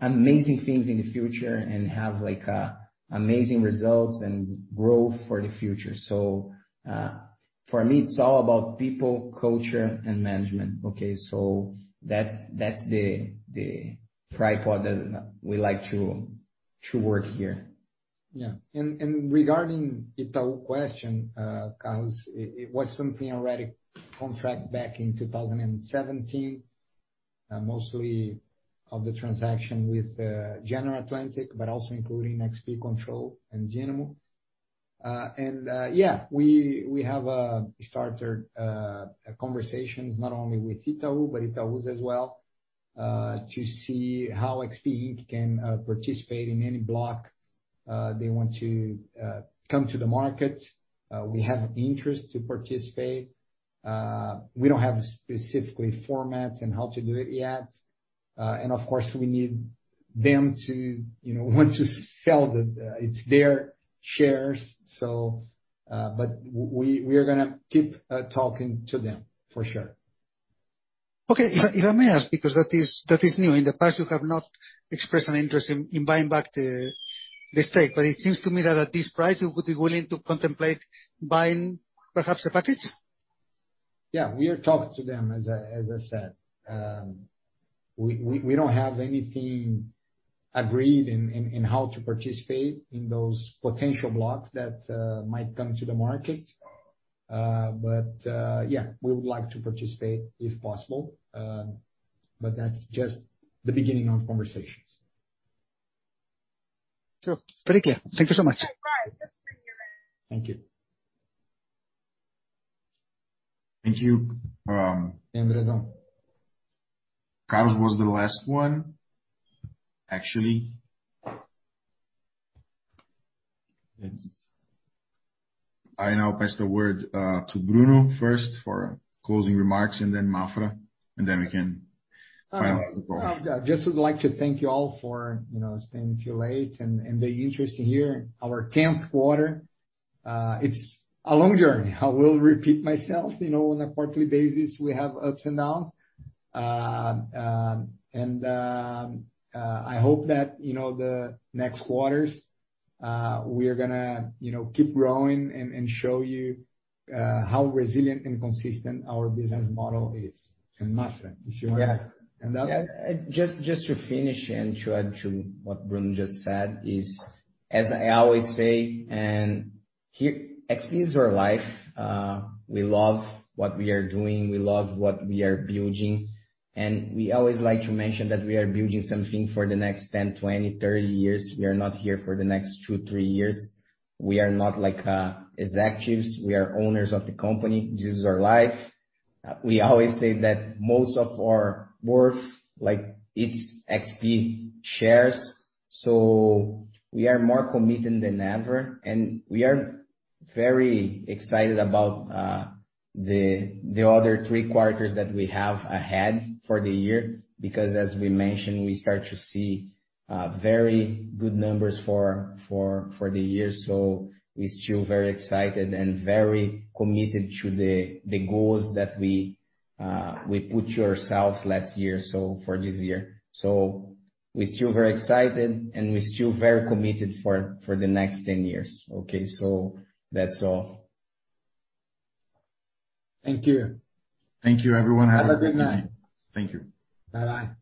Speaker 6: amazing things in the future and have, like, amazing results and growth for the future. For me, it's all about people, culture and management, okay? That's the tripod that we like to work here.
Speaker 3: Yeah. Regarding Itaú question, Carlos, it was something already on track back in 2017, most of the transaction with General Atlantic, but also including XP Controle and Dynamo. Yeah, we have started conversations not only with Itaú, but Itaúsa as well, to see how XP Inc. can participate in any block they want to come to the market. We have interest to participate. We don't have specific formats and how to do it yet. Of course, we need them to want to sell. It's their shares. We are going to keep talking to them for sure.
Speaker 12: Okay. If I may ask, because that is new. In the past you have not expressed an interest in buying back the stake. It seems to me that at this price you would be willing to contemplate buying perhaps the package.
Speaker 3: Yeah. We are talking to them, as I said. We don't have anything agreed in how to participate in those potential blocks that might come to the market. Yeah, we would like to participate if possible. That's just the beginning of conversations.
Speaker 12: Sure. Very clear. Thank you so much.
Speaker 1: Thank you. Thank you. Carlos was the last one. Actually, I now pass the word to Bruno first for closing remarks and then Maffra, and then we can finalize the call.
Speaker 3: I just would like to thank you all for, you know, staying till late and the interest in hearing our tenth quarter. It's a long journey. I will repeat myself. You know, on a quarterly basis we have ups and downs. I hope that, you know, the next quarters, we are going to, you know, keep growing and show you how resilient and consistent our business model is. Maffra, if you wanna wrap up.
Speaker 6: Yeah. Just to finish and to add to what Bruno just said is, as I always say, XP is our life. We love what we are doing, we love what we are building. We always like to mention that we are building something for the next 10, 20, 30 years. We are not here for the next two to three years. We are not like executives. We are owners of the company. This is our life. We always say that most of our worth, like, it's XP shares. So we are more committed than ever. We are very excited about the other three quarters that we have ahead for the year. Because as we mentioned, we start to see very good numbers for the year. We're still very excited and very committed to the goals that we put ourselves last year for this year. We're still very excited, and we're still very committed for the next 10 years. Okay. That's all.
Speaker 1: Thank you.
Speaker 6: Thank you everyone. Have a great night.
Speaker 3: Have a great night.
Speaker 6: Thank you.
Speaker 1: Bye-bye.